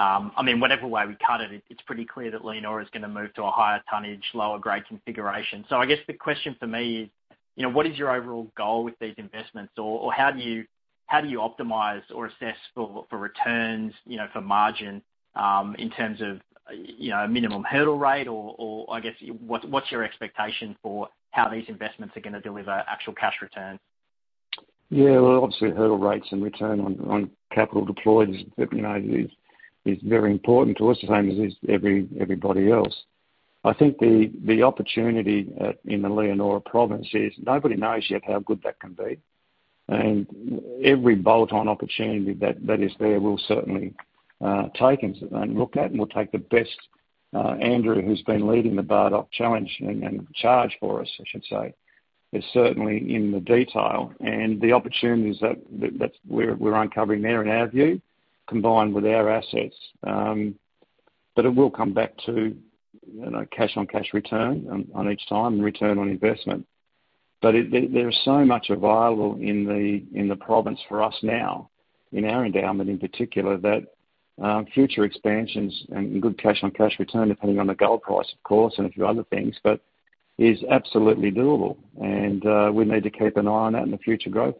I mean, whatever way we cut it's pretty clear that Leonora is gonna move to a higher tonnage, lower grade configuration. I guess the question for me is, you know, what is your overall goal with these investments? Or how do you optimize or assess for returns, you know, for margin, in terms of minimum hurdle rate? I guess what's your expectation for how these investments are gonna deliver actual cash return? Yeah. Well, obviously, hurdle rates and return on capital deployed is, you know, is very important to us, the same as is everybody else. I think the opportunity in the Leonora Province is nobody knows yet how good that can be. Every bolt-on opportunity that is there, we'll certainly take and look at, and we'll take the best. Andrew, who's been leading the Bardoc challenge and charge for us, I should say, is certainly in the detail and the opportunities that we're uncovering there in our view, combined with our assets. It will come back to, you know, cash-on-cash return on each time and return on investment. There is so much available in the province for us now in our endowment, in particular, that future expansions and good cash-on-cash return, depending on the gold price, of course, and a few other things, but is absolutely doable. We need to keep an eye on that in the future growth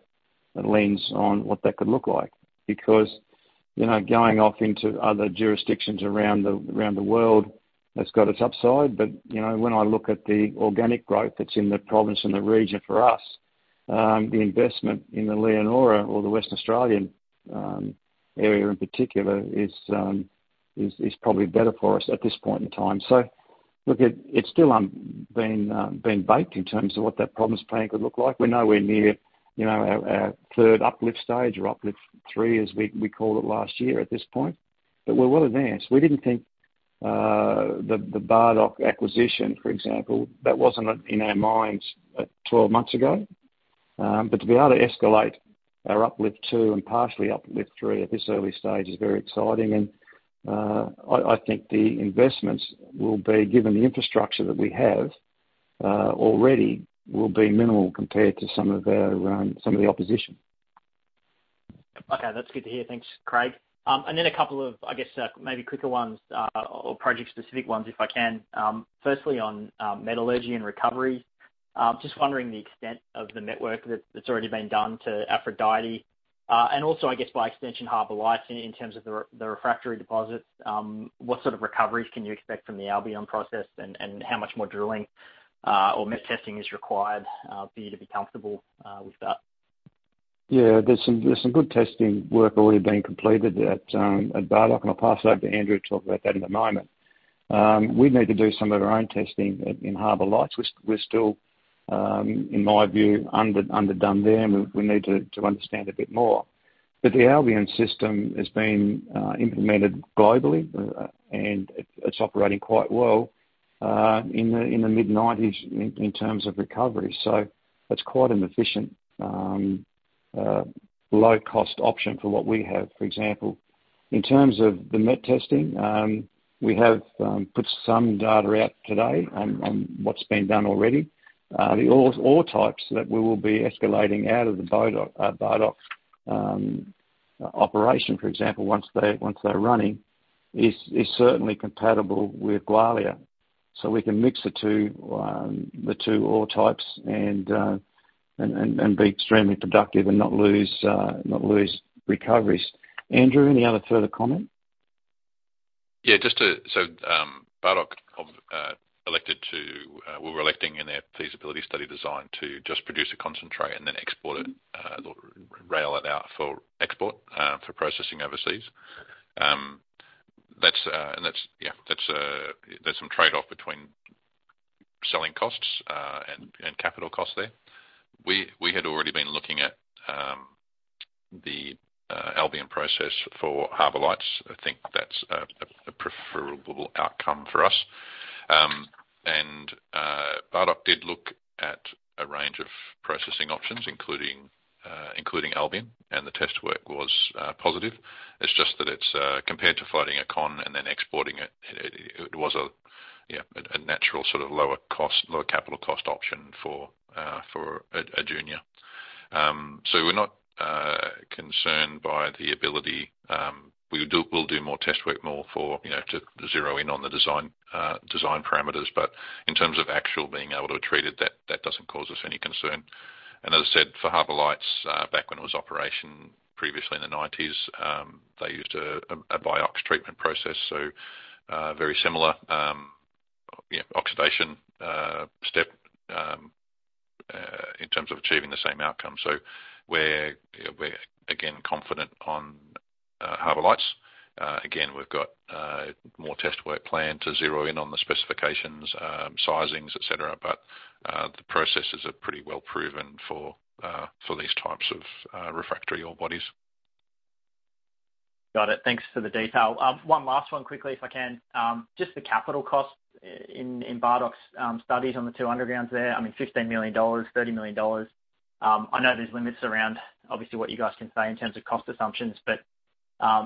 that leans on what that could look like. Because, you know, going off into other jurisdictions around the world, that's got its upside. But, you know, when I look at the organic growth that's in the province and the region for us, the investment in the Leonora or the Western Australian area in particular is probably better for us at this point in time. Look, it's still been baked in terms of what that Province Plan could look like. We're nowhere near our third uplift stage or uplift three, as we called it last year at this point. We're well advanced. The Bardoc acquisition, for example, that wasn't in our minds 12 months ago. To be able to escalate our uplift two and partially uplift three at this early stage is very exciting. I think the investments will be, given the infrastructure that we have already, will be minimal compared to some of the opposition. Okay. That's good to hear. Thanks, Craig. A couple of, I guess, maybe quicker ones, or project-specific ones if I can. Firstly on, metallurgy and recovery, just wondering the extent of the met work that's already been done to Aphrodite. Also, I guess, by extension, Harbour Lights in terms of the refractory deposits. What sort of recoveries can you expect from the Albion Process and how much more drilling or met testing is required for you to be comfortable with that? Yeah, there's some good testing work already being completed at Bardoc. I'll pass over to Andrew to talk about that in a moment. We need to do some of our own testing at Harbour Lights. We're still, in my view, underdone there, and we need to understand a bit more. The Albion system has been implemented globally, and it's operating quite well in the mid-90s in terms of recovery. That's quite an efficient low-cost option for what we have, for example. In terms of the met testing, we have put some data out today on what's been done already. The ore types that we will be escalating out of the Bardoc operation, for example, once they're running, is certainly compatible with Gwalia. We can mix the two ore types and be extremely productive and not lose recoveries. Andrew, any other further comment? Bardoc selected in their feasibility study design to just produce a concentrate and then export it or rail it out for export for processing overseas. That's a trade-off between selling costs and capital costs there. We had already been looking at the Albion Process for Harbour Lights. I think that's a preferable outcome for us. Bardoc did look at a range of processing options, including Albion, and the test work was positive. It's just that compared to floating a con and then exporting it was a natural sort of lower cost, lower capital cost option for a junior. We're not concerned by the ability. We'll do more test work for, you know, to zero in on the design parameters. In terms of actual being able to treat it, that doesn't cause us any concern. As I said, for Harbour Lights, back when it was in operation previously in the nineties, they used a BIOX treatment process, so very similar, you know, oxidation step in terms of achieving the same outcome. We're again confident on Harbour Lights. Again, we've got more test work planned to zero in on the specifications, sizings, et cetera. The processes are pretty well proven for these types of refractory ore bodies. Got it. Thanks for the detail. One last one quickly, if I can. Just the capital cost in Bardoc's studies on the two undergrounds there. I mean, 15 million dollars, 30 million dollars. I know there's limits around obviously what you guys can say in terms of cost assumptions, but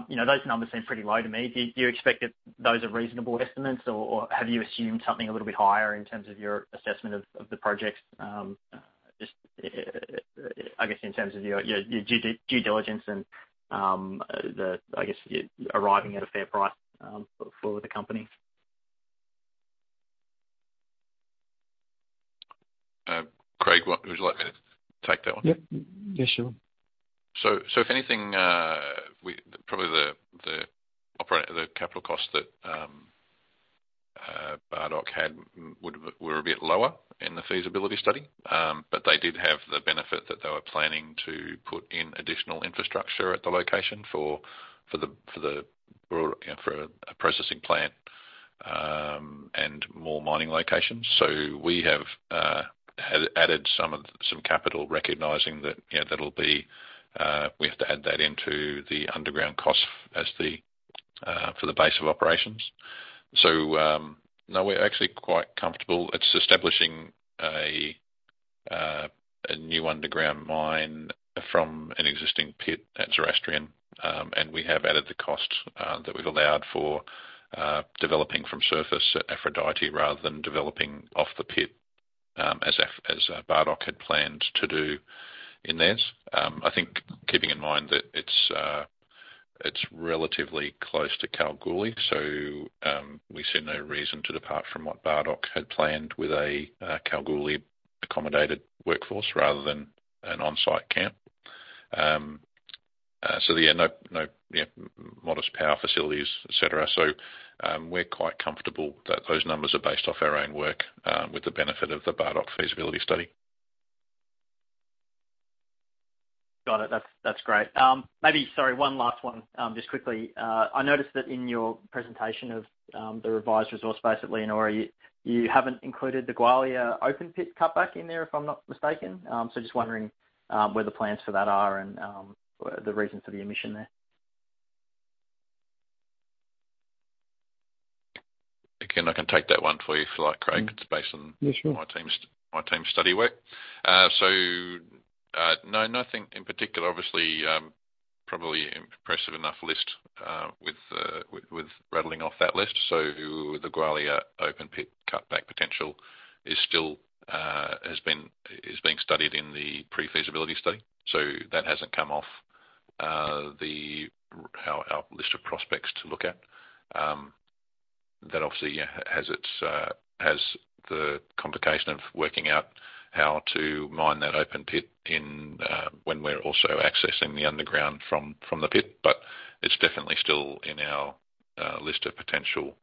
you know, those numbers seem pretty low to me. Do you expect that those are reasonable estimates or have you assumed something a little bit higher in terms of your assessment of the projects? Just, I guess, in terms of your due diligence and the, I guess, arriving at a fair price for the company. Craig, what would you like me to take that one? Yep. Yeah, sure. If anything, probably the capital cost that Bardoc had were a bit lower in the feasibility study. They did have the benefit that they were planning to put in additional infrastructure at the location for the road, you know, for a processing plant and more mining locations. We have added some capital recognizing that, you know, we have to add that into the underground cost as the base of operations. No, we're actually quite comfortable. It's establishing a new underground mine from an existing pit at Zoroastrian. We have added the cost that we've allowed for developing from surface at Aphrodite rather than developing off the pit, as Bardoc had planned to do in theirs. I think keeping in mind that it's relatively close to Kalgoorlie, we see no reason to depart from what Bardoc had planned with a Kalgoorlie accommodated workforce rather than an on-site camp. You know, modest power facilities, et cetera. We're quite comfortable that those numbers are based off our own work with the benefit of the Bardoc feasibility study. Got it. That's great. Maybe, sorry, one last one, just quickly. I noticed that in your presentation of the revised resource base at Leonora, you haven't included the Gwalia open pit cut back in there, if I'm not mistaken. Just wondering where the plans for that are and the reasons for the omission there. Again, I can take that one for you if you like, Craig. It's based on. Yeah, sure. My team's study work. Nothing in particular, obviously, probably impressive enough list with rattling off that list. The Gwalia open pit cutback potential is still being studied in the pre-feasibility study. That hasn't come off our list of prospects to look at. That obviously has the complication of working out how to mine that open pit when we're also accessing the underground from the pit. But it's definitely still in our list of potential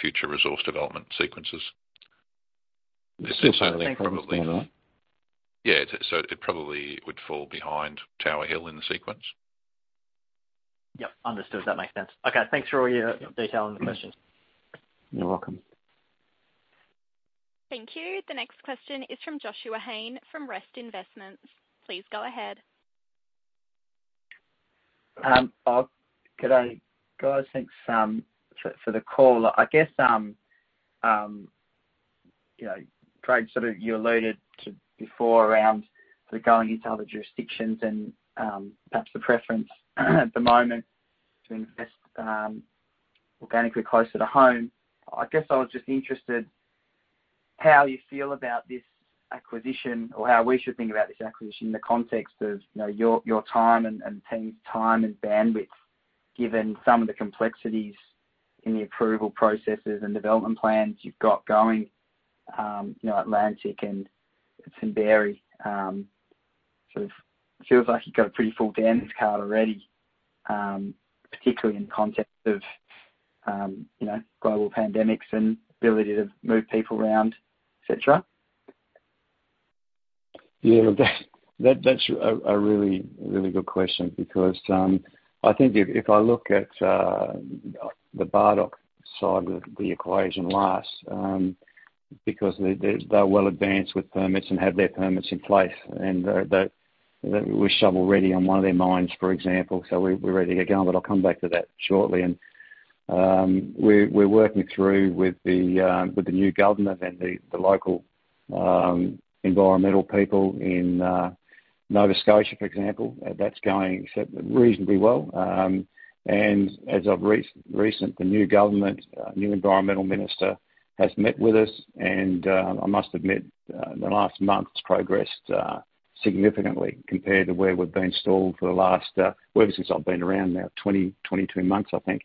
future resource development sequences. Yeah. It probably would fall behind Tower Hill in the sequence. Yep. Understood. That makes sense. Okay, thanks for all your detail on the question. You're welcome. Thank you. The next question is from Joshua Hain, from REST Super. Please go ahead. Good day. Guys, thanks for the call. I guess you know, Craig, sort of you alluded to before around going into other jurisdictions and perhaps the preference at the moment to invest organically closer to home. I guess I was just interested how you feel about this acquisition or how we should think about this acquisition in the context of you know, your time and team's time and bandwidth, given some of the complexities in the approval processes and development plans you've got going, you know, Atlantic and Simberi. It sort of feels like you've got a pretty full dance card already, particularly in context of you know, global pandemics and ability to move people around, et cetera. Yeah. That's a really good question because I think if I look at the Bardoc side of the equation last, because they're well advanced with permits and have their permits in place. That we're shovel ready on one of their mines, for example. We're ready to get going, but I'll come back to that shortly. We're working through with the new government and the local environmental people in Nova Scotia, for example. That's going reasonably well. As of recent, the new Government new Environmental Minister has met with us. I must admit, the last month has progressed significantly compared to where we've been stalled for the last, well, ever since I've been around now, 22 months, I think.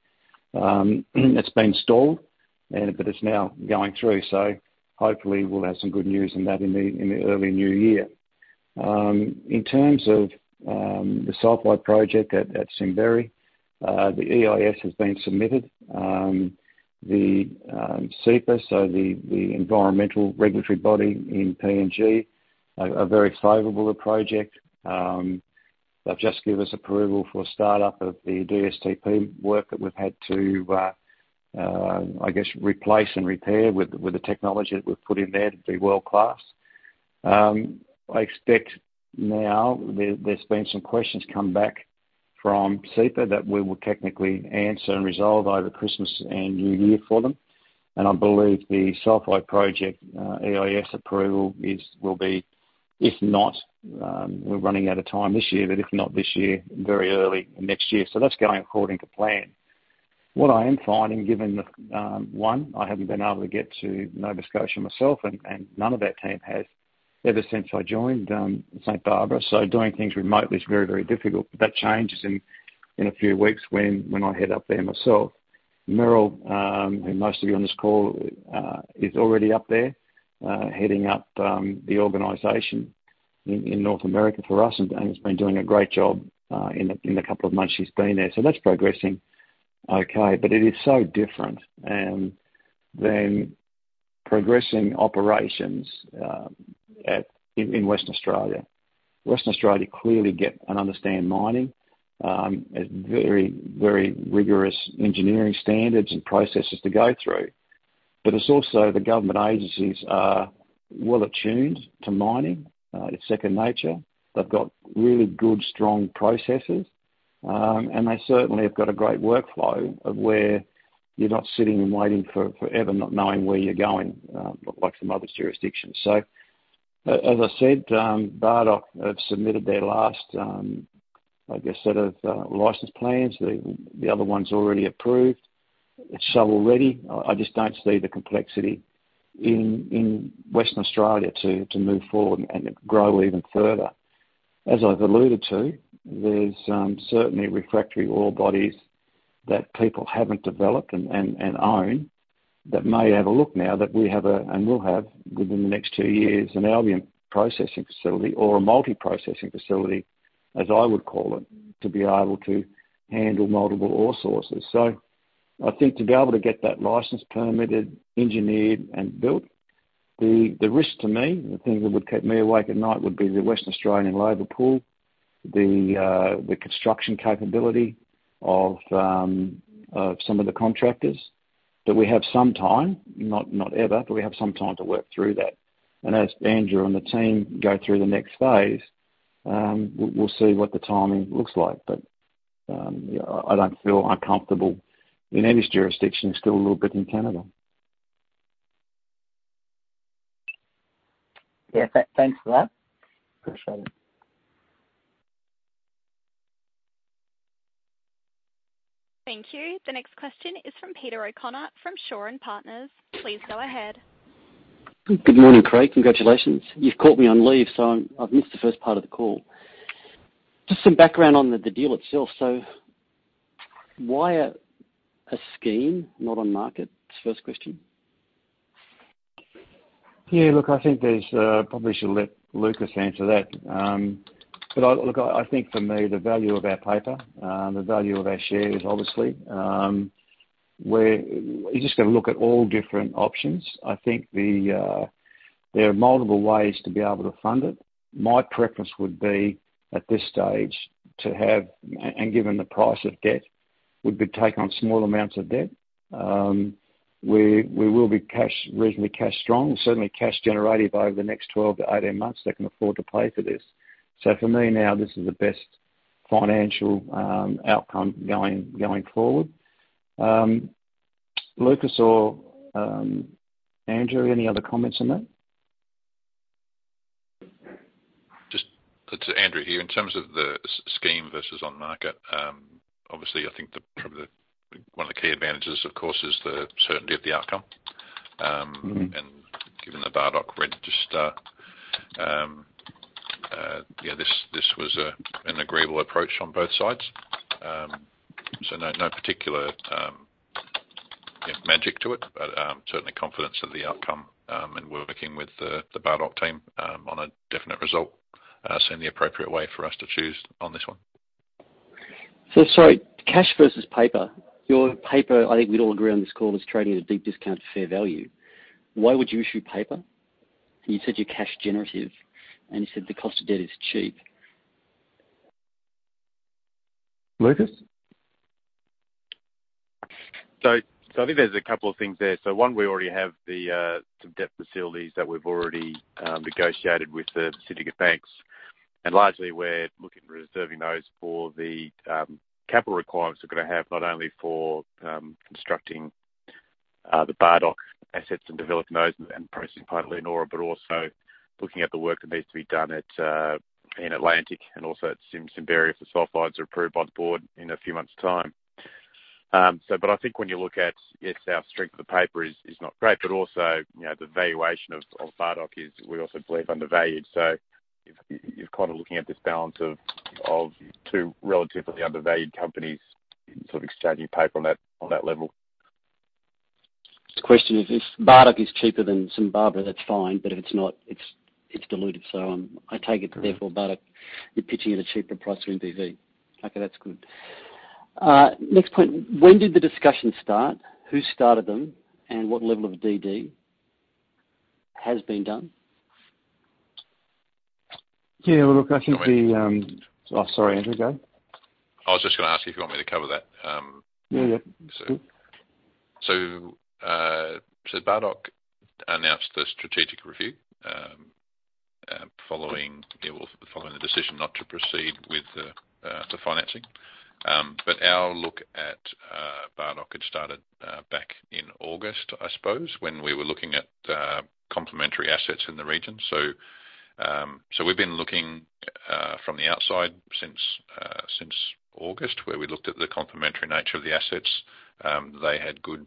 It's been stalled, but it's now going through, so hopefully we'll have some good news on that in the early new year. In terms of the sulfide project at Simberi, the EIS has been submitted. The CEPA, so the environmental regulatory body in PNG, are very favorable of project. They've just given us approval for startup of the DSTP work that we've had to replace and repair with the technology that we've put in there to be world-class. I expect now there's been some questions come back from CEPA that we will technically answer and resolve over Christmas and New Year for them. I believe the Sulfide project EIS approval will be, if not, we're running out of time this year, but if not this year, very early next year. That's going according to plan. What I am finding, given that I haven't been able to get to Nova Scotia myself, and none of our team has ever since I joined St Barbara. Doing things remotely is very, very difficult. That changes in a few weeks when I head up there myself. Meryl, who most of you on this call is already up there, heading up the organization in North America for us and has been doing a great job in the couple of months he's been there. That's progressing okay. It is so different than progressing operations at in Western Australia. Western Australia clearly get and understand mining. A very rigorous engineering standards and processes to go through. It's also the government agencies are well attuned to mining. It's second nature. They've got really good, strong processes. They certainly have got a great workflow of where you're not sitting and waiting for forever, not knowing where you're going, like some other jurisdictions. As I said, Bardoc have submitted their last, I guess, set of license plans. The other one's already approved. It's shovel ready. I just don't see the complexity in Western Australia to move forward and grow even further. As I've alluded to, there's certainly refractory ore bodies that people haven't developed and own that may have a look now that we have and will have within the next two years, an Albion processing facility or a multi-processing facility, as I would call it, to be able to handle multiple ore sources. I think to be able to get that license permitted, engineered and built, the risk to me, the things that would keep me awake at night would be the Western Australian labor pool, the construction capability of some of the contractors. We have some time, not overnight, but we have some time to work through that. As Andrew and the team go through the next phase, we'll see what the timing looks like. Yeah, I don't feel uncomfortable in any jurisdiction. Still a little bit in Canada. Yeah. Thanks for that. For sure. Thank you. The next question is from Peter O'Connor, from Shaw and Partners. Please go ahead. Good morning, Craig. Congratulations. You've caught me on leave, so I've missed the first part of the call. Just some background on the deal itself. Why a scheme, not on market? Is the first question. Yeah, look, I think I probably should let Lucas answer that. Look, I think for me, the value of our paper, the value of our shares obviously. You just gotta look at all different options. I think there are multiple ways to be able to fund it. My preference would be, at this stage, and given the price of debt, to take on small amounts of debt. We will be cash, reasonably cash strong, certainly cash generative over the next 12-18 months that can afford to pay for this. For me now, this is the best financial outcome going forward. Lucas or Andrew, any other comments on that? It's Andrew here. In terms of the scheme versus on market, obviously, I think probably the one of the key advantages, of course, is the certainty of the outcome. Given the Bardoc register, this was an agreeable approach on both sides. No particular magic to it, but certainly confidence of the outcome and working with the Bardoc team on a definite result seemed the appropriate way for us to choose on this one. Sorry, cash versus paper. Your paper, I think we'd all agree on this call, is trading at a big discount to fair value. Why would you issue paper? You said you're cash generative, and you said the cost of debt is cheap. Lucas? I think there's a couple of things there. One, we already have some debt facilities that we've already negotiated with the syndicate banks. Largely we're looking at reserving those for the capital requirements we're gonna have not only for constructing the Bardoc assets and developing those and processing part of Leonora, but also looking at the work that needs to be done in Atlantic and also at Simberi if the sulfides are approved on board in a few months' time. But I think when you look at, yes, our strength of the paper is not great, but also, you know, the valuation of Bardoc is, we also believe, undervalued. You're kind of looking at this balance of two relatively undervalued companies sort of exchanging paper on that level. The question is if Bardoc is cheaper than Simberi, that's fine, but if it's not, it's diluted. I take it. Correct. Therefore, Bardoc, you're pitching at a cheaper price to NPV. Okay, that's good. Next point, when did the discussion start? Who started them? And what level of DD has been done? Yeah, look, I think the. Can I- Oh, sorry, Andrew. Go ahead. I was just gonna ask you if you want me to cover that. Yeah. Yeah. Bardoc announced the strategic review following the decision not to proceed with the financing. Our look at Bardoc had started back in August, I suppose, when we were looking at complementary assets in the region. We've been looking from the outside since August, where we looked at the complementary nature of the assets. They had good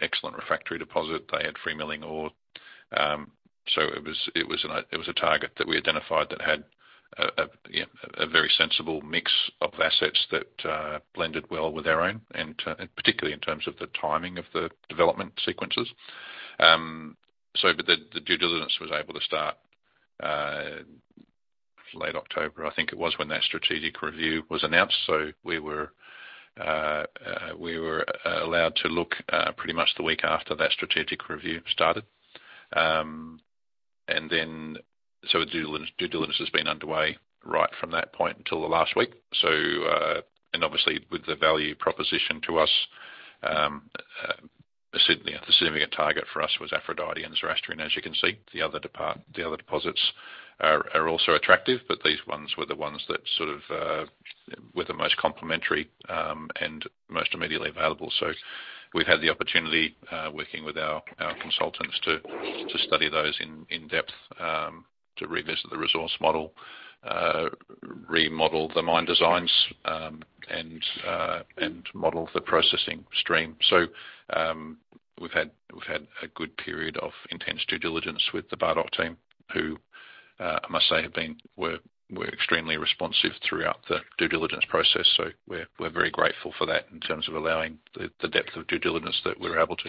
excellent refractory deposit. They had free milling ore. It was a target that we identified that had a you know a very sensible mix of assets that blended well with our own and particularly in terms of the timing of the development sequences. The due diligence was able to start late October. I think it was when that strategic review was announced. We were allowed to look pretty much the week after that strategic review started. Due diligence has been underway right from that point until the last week. Obviously with the value proposition to us, the significant target for us was Aphrodite and Zoroastrian. As you can see, the other deposits are also attractive, but these ones were the ones that sort of were the most complementary and most immediately available. We've had the opportunity, working with our consultants to study those in depth, to revisit the resource model, remodel the mine designs, and model the processing stream. We've had a good period of intense due diligence with the Bardoc team, who I must say were extremely responsive throughout the due diligence process. We're very grateful for that in terms of allowing the depth of due diligence that we're able to.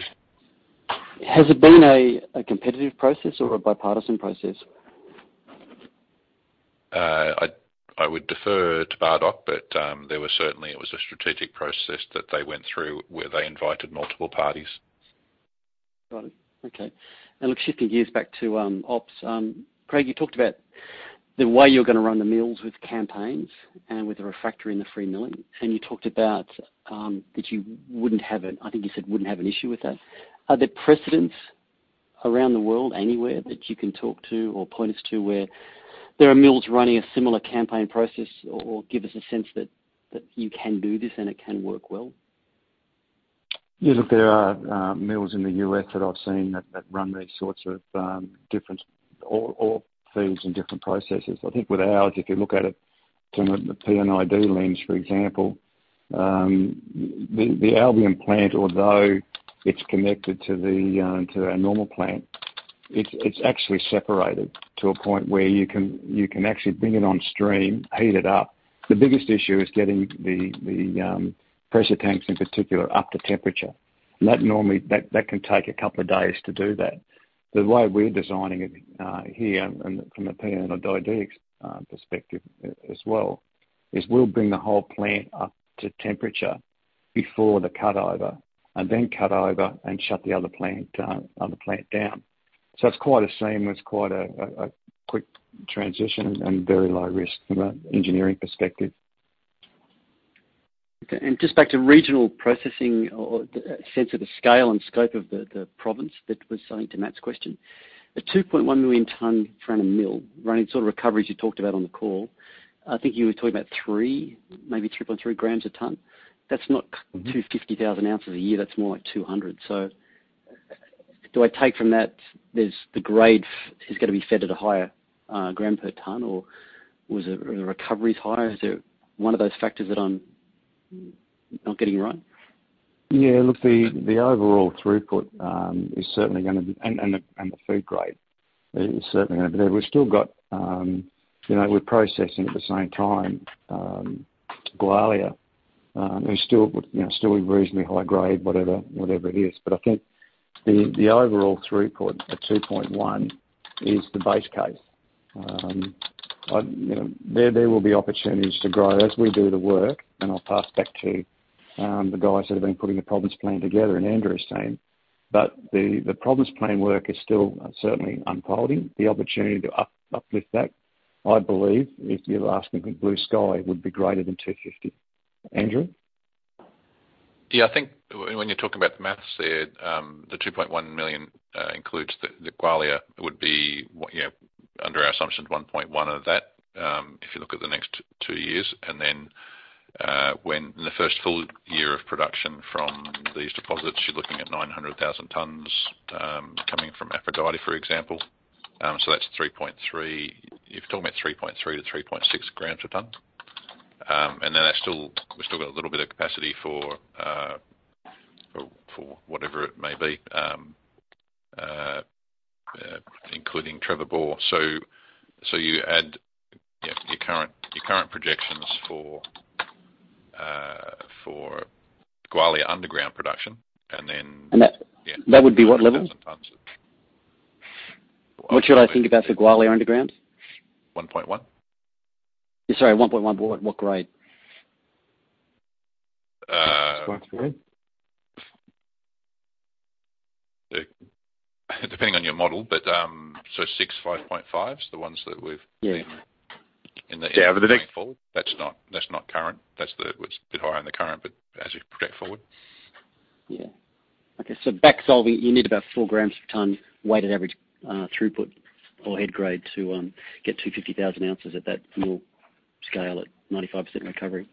Has it been a competitive process or a bipartisan process? I would defer to Bardoc, but there was certainly. It was a strategic process that they went through, where they invited multiple parties. Got it. Okay. Look, shifting gears back to ops. Craig, you talked about the way you're gonna run the mills with campaigns and with the refractory in the free milling. You talked about that you wouldn't have an issue with that, I think you said. Are there precedents around the world, anywhere that you can talk to or point us to where there are mills running a similar campaign process or give us a sense that you can do this and it can work well? Yeah, look, there are mills in the U.S. that I've seen that run these sorts of different ore feeds and different processes. I think with ours, if you look at it from a P&ID lens, for example, the Albion plant, although it's connected to our normal plant, it's actually separated to a point where you can actually bring it on stream, heat it up. The biggest issue is getting the pressure tanks in particular up to temperature. And that normally can take a couple of days to do that. The way we're designing it here and from a P&ID perspective as well, is we'll bring the whole plant up to temperature before the cut over, and then cut over and shut the other plant down. It's quite the same. It's quite a quick transition and very low risk from an engineering perspective. Okay. Just back to regional processing or the sense of the scale and scope of the province relating to Matt's question. A 2.1 million ton mill running sort of recoveries you talked about on the call. I think you were talking about 3, maybe 3.3 grams a ton. That's not 250,000 ounces a year, that's more like 200. Do I take from that the grade is gonna be fed at a higher gram per ton, or are the recoveries higher? Is there one of those factors that I'm not getting right? Yeah, look, the overall throughput is certainly gonna be. The feed grade is certainly gonna be there. We've still got you know we're processing at the same time Gwalia who still you know still reasonably high grade whatever it is. I think the overall throughput at 2.1 is the base case. You know there will be opportunities to grow as we do the work and I'll pass back to the guys that have been putting the Province Plan together and Andrew's team. The Province Plan work is still certainly unfolding. The opportunity to uplift that I believe if you asked me the blue sky would be greater than 2.5. Andrew? Yeah. I think when you're talking about the math there, the 2.1 million includes the Gwalia would be, you know, under our assumptions, 1.1 of that, if you look at the next two years. When in the first full year of production from these deposits, you're looking at 900,000 tons coming from Aphrodite, for example. That's 3.3. You're talking about 3.3-3.6 grams a ton. We still got a little bit of capacity for whatever it may be, including Trevor Bore. You add, you know, your current projections for Gwalia underground production and then. And that would be what levels? tons of. What should I think about for Gwalia underground? 1.1. Sorry, 1.1. What grade? Depending on your model, but, so 6, 5.5's the ones that we've. Yeah. That's not current. That's what's a bit higher in the current, but as you project forward. Backsolving, you need about 4 grams per ton weighted average throughput or head grade to get 250,000 ounces at that mill scale at 95% recovery.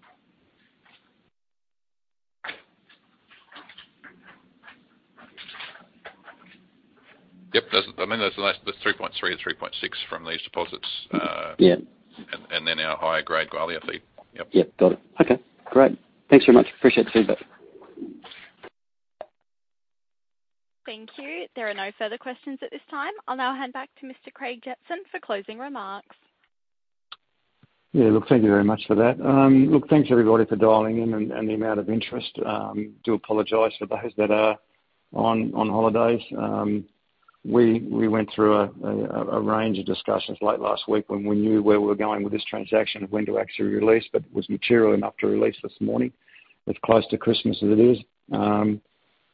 Yep. Those are the minutes. That's 3.3-3.6 from these deposits. Yeah. Our higher grade Gwalia feed. Yep. Yep, got it. Okay, great. Thanks very much. Appreciate the feedback. Thank you. There are no further questions at this time. I'll now hand back to Mr. Craig Jetson for closing remarks. Yeah. Look, thank you very much for that. Look, thanks everybody for dialing in and the amount of interest. Do apologize for those that are on holidays. We went through a range of discussions late last week when we knew where we were going with this transaction of when to actually release, but it was material enough to release this morning, as close to Christmas as it is.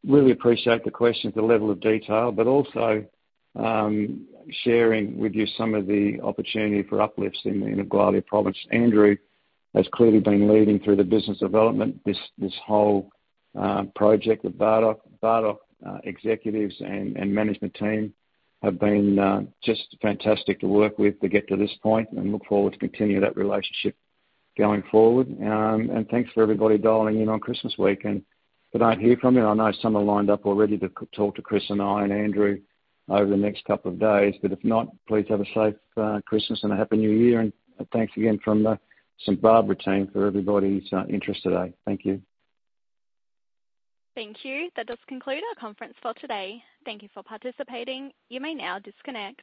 Really appreciate the questions, the level of detail, but also sharing with you some of the opportunity for uplifts in the Leonora Province. Andrew has clearly been leading through the business development this whole project. The Bardoc executives and management team have been just fantastic to work with to get to this point and look forward to continue that relationship going forward. Thanks for everybody dialing in on Christmas week. If I don't hear from you, I know some are lined up already to talk to Chris and I and Andrew over the next couple of days, but if not, please have a safe Christmas and a Happy New Year. Thanks again from the St Barbara team for everybody's interest today. Thank you. Thank you. That does conclude our conference for today. Thank you for participating. You may now disconnect.